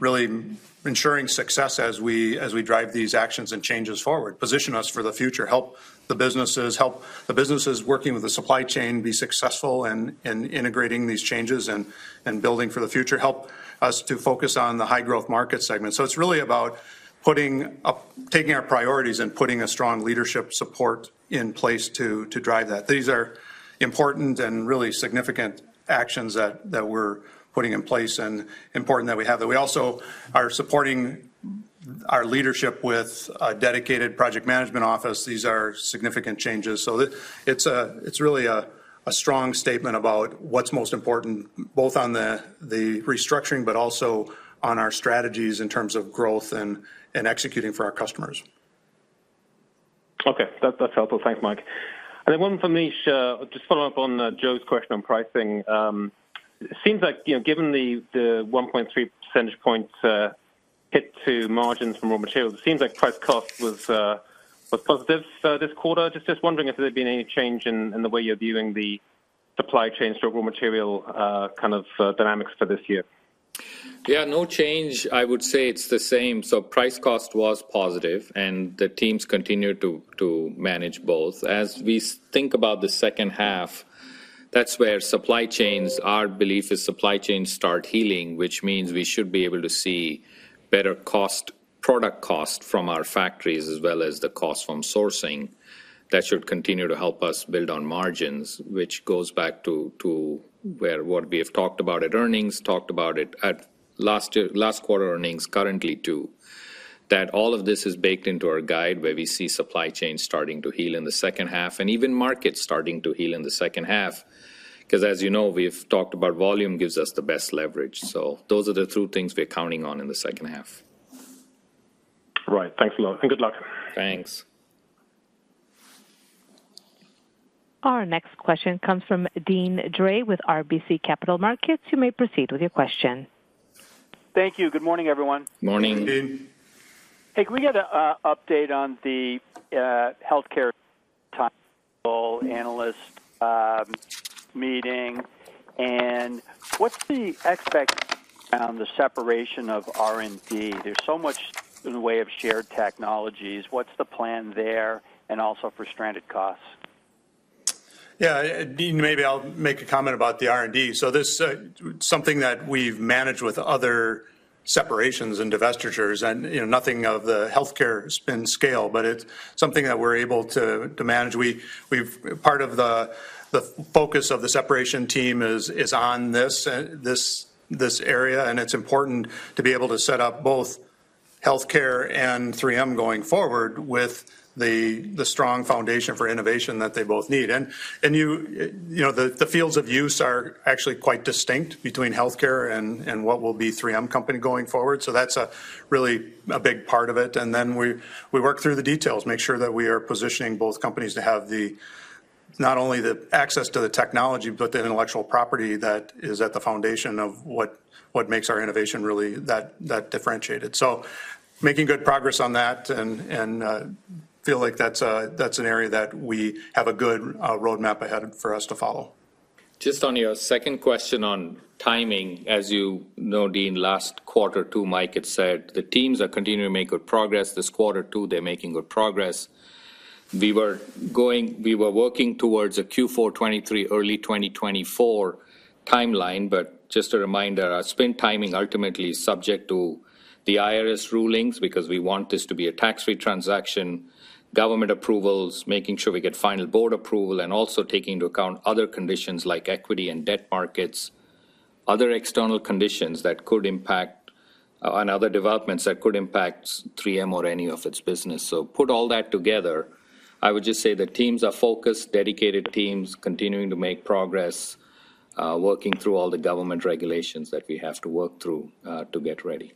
really ensuring success as we drive these actions and changes forward, position us for the future, help the businesses working with the supply chain be successful in integrating these changes and building for the future, help us to focus on the high-growth market segment. It's really about taking our priorities and putting a strong leadership support in place to drive that. These are important and really significant actions that we're putting in place and important that we have. We also are supporting our leadership with a dedicated project management office. These are significant changes. It's really a strong statement about what's most important, both on the restructuring, but also on our strategies in terms of growth and executing for our customers. Okay. That's helpful. Thanks, Mike. Then one for me, just follow up on Joe's question on pricing. It seems like, you know, given the 1.3 percentage points hit to margins from raw materials, it seems like price cost was positive this quarter. Just wondering if there had been any change in the way you're viewing the supply chain struggle material, kind of, dynamics for this year. Yeah, no change. I would say it's the same. Price cost was positive, and the teams continue to manage both. As we think about the second half, that's where supply chains, our belief is supply chains start healing, which means we should be able to see better cost, product cost from our factories as well as the cost from sourcing. That should continue to help us build on margins, which goes back to where what we have talked about at earnings, talked about it at last quarter earnings currently too, that all of this is baked into our guide, where we see supply chains starting to heal in the second half and even markets starting to heal in the second half. 'Cause as you know, we've talked about volume gives us the best leverage. Those are the two things we're counting on in the second half. Right. Thanks a lot and good luck. Thanks. Our next question comes from Deane Dray with RBC Capital Markets. You may proceed with your question. Thank you. Good morning, everyone. Morning. Morning, Deane. Hey, can we get update on the Health Care time analyst meeting? What's the expect on the separation of R&D? There's so much in the way of shared technologies. What's the plan there and also for stranded costs? Yeah, Deane, maybe I'll make a comment about the R&D. Something that we've managed with other separations and divestitures and, you know, nothing of the Health Care spin scale, but it's something that we're able to manage. Part of the focus of the separation team is on this area, and it's important to be able to set up both Health Care and 3M going forward with the strong foundation for innovation that they both need. You know, the fields of use are actually quite distinct between Health Care and what will be 3M Company going forward. That's a really big part of it. Then we work through the details, make sure that we are positioning both companies to have the, not only the access to the technology, but the intellectual property that is at the foundation of what makes our innovation really that differentiated. Making good progress on that and feel like that's an area that we have a good roadmap ahead for us to follow. Just on your second question on timing, as you know, Deane, last quarter too, Mike had said the teams are continuing to make good progress. This quarter too, they're making good progress. We were working towards a Q4 2023, early 2024 timeline. just a reminder, our spend timing ultimately is subject to the IRS rulings because we want this to be a tax-free transaction, government approvals, making sure we get final board approval, and also take into account other conditions like equity and debt markets, other external conditions that could impact on other developments that could impact 3M or any of its business. put all that together, I would just say the teams are focused, dedicated teams continuing to make progress, working through all the government regulations that we have to work through, to get ready.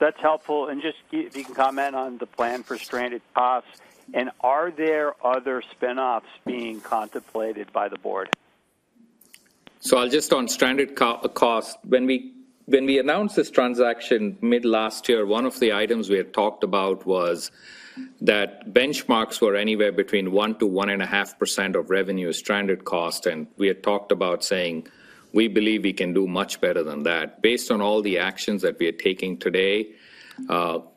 That's helpful. Just if you can comment on the plan for stranded costs? Are there other spinoffs being contemplated by the board? I'll just on stranded costs. When we announced this transaction mid last year, one of the items we had talked about was that benchmarks were anywhere between 1%-1.5% of revenue stranded cost. We had talked about saying, we believe we can do much better than that. Based on all the actions that we are taking today,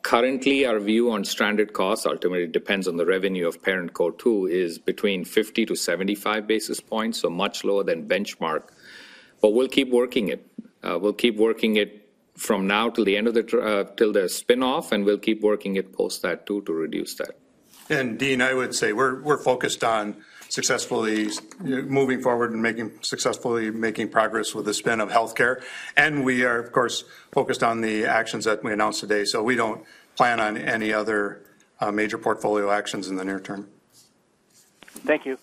currently our view on stranded costs ultimately depends on the revenue of ParentCo. two is between 50-75 basis points, so much lower than benchmark. We'll keep working it. We'll keep working it from now till the end of the spin-off, and we'll keep working it post that too to reduce that. Deane, I would say we're focused on successfully moving forward and successfully making progress with the spin of Health Care. We are, of course, focused on the actions that we announced today. We don't plan on any other major portfolio actions in the near term. Thank you.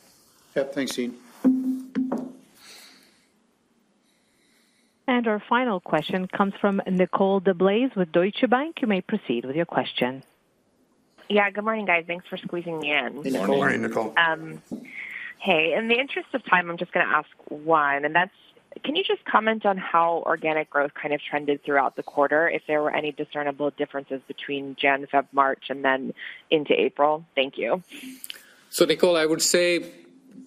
Yep. Thanks, Deane. Our final question comes from Nicole DeBlase with Deutsche Bank. You may proceed with your question. Yeah, good morning, guys. Thanks for squeezing me in. Good morning, Nicole. Hey, in the interest of time, I'm just gonna ask one, and that's, can you just comment on how organic growth kind of trended throughout the quarter? If there were any discernible differences between January, February, March, and then into April? Thank you. Nicole, I would say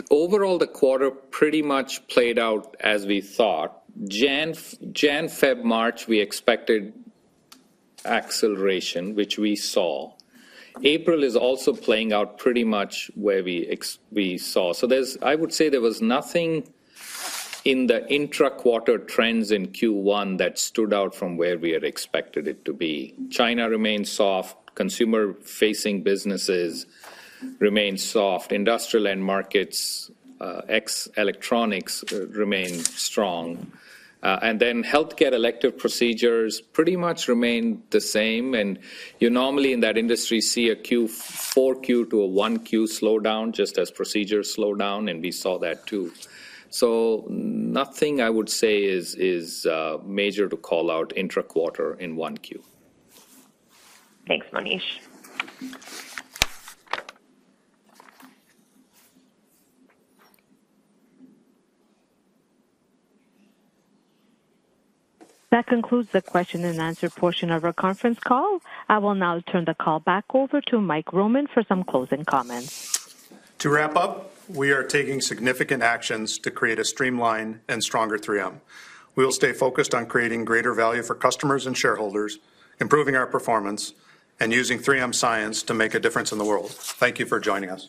overall the quarter pretty much played out as we thought. Jan, Feb, March, we expected acceleration, which we saw. April is also playing out pretty much where we saw. I would say there was nothing in the intra-quarter trends in Q1 that stood out from where we had expected it to be. China remains soft, consumer-facing businesses remain soft, industrial end markets, ex electronics remain strong. Health Care elective procedures pretty much remain the same. You normally in that industry see a Q4 to a Q1 slowdown just as procedures slow down, and we saw that too. Nothing I would say is major to call out intra-quarter in Q1. Thanks, Monish. That concludes the question and answer portion of our conference call. I will now turn the call back over to Mike Roman for some closing comments. To wrap up, we are taking significant actions to create a streamlined and stronger 3M. We will stay focused on creating greater value for customers and shareholders, improving our performance and using 3M science to make a difference in the world. Thank you for joining us.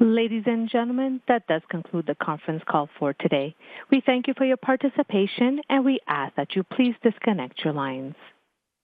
Ladies and gentlemen, that does conclude the conference call for today. We thank you for your participation, and we ask that you please disconnect your lines.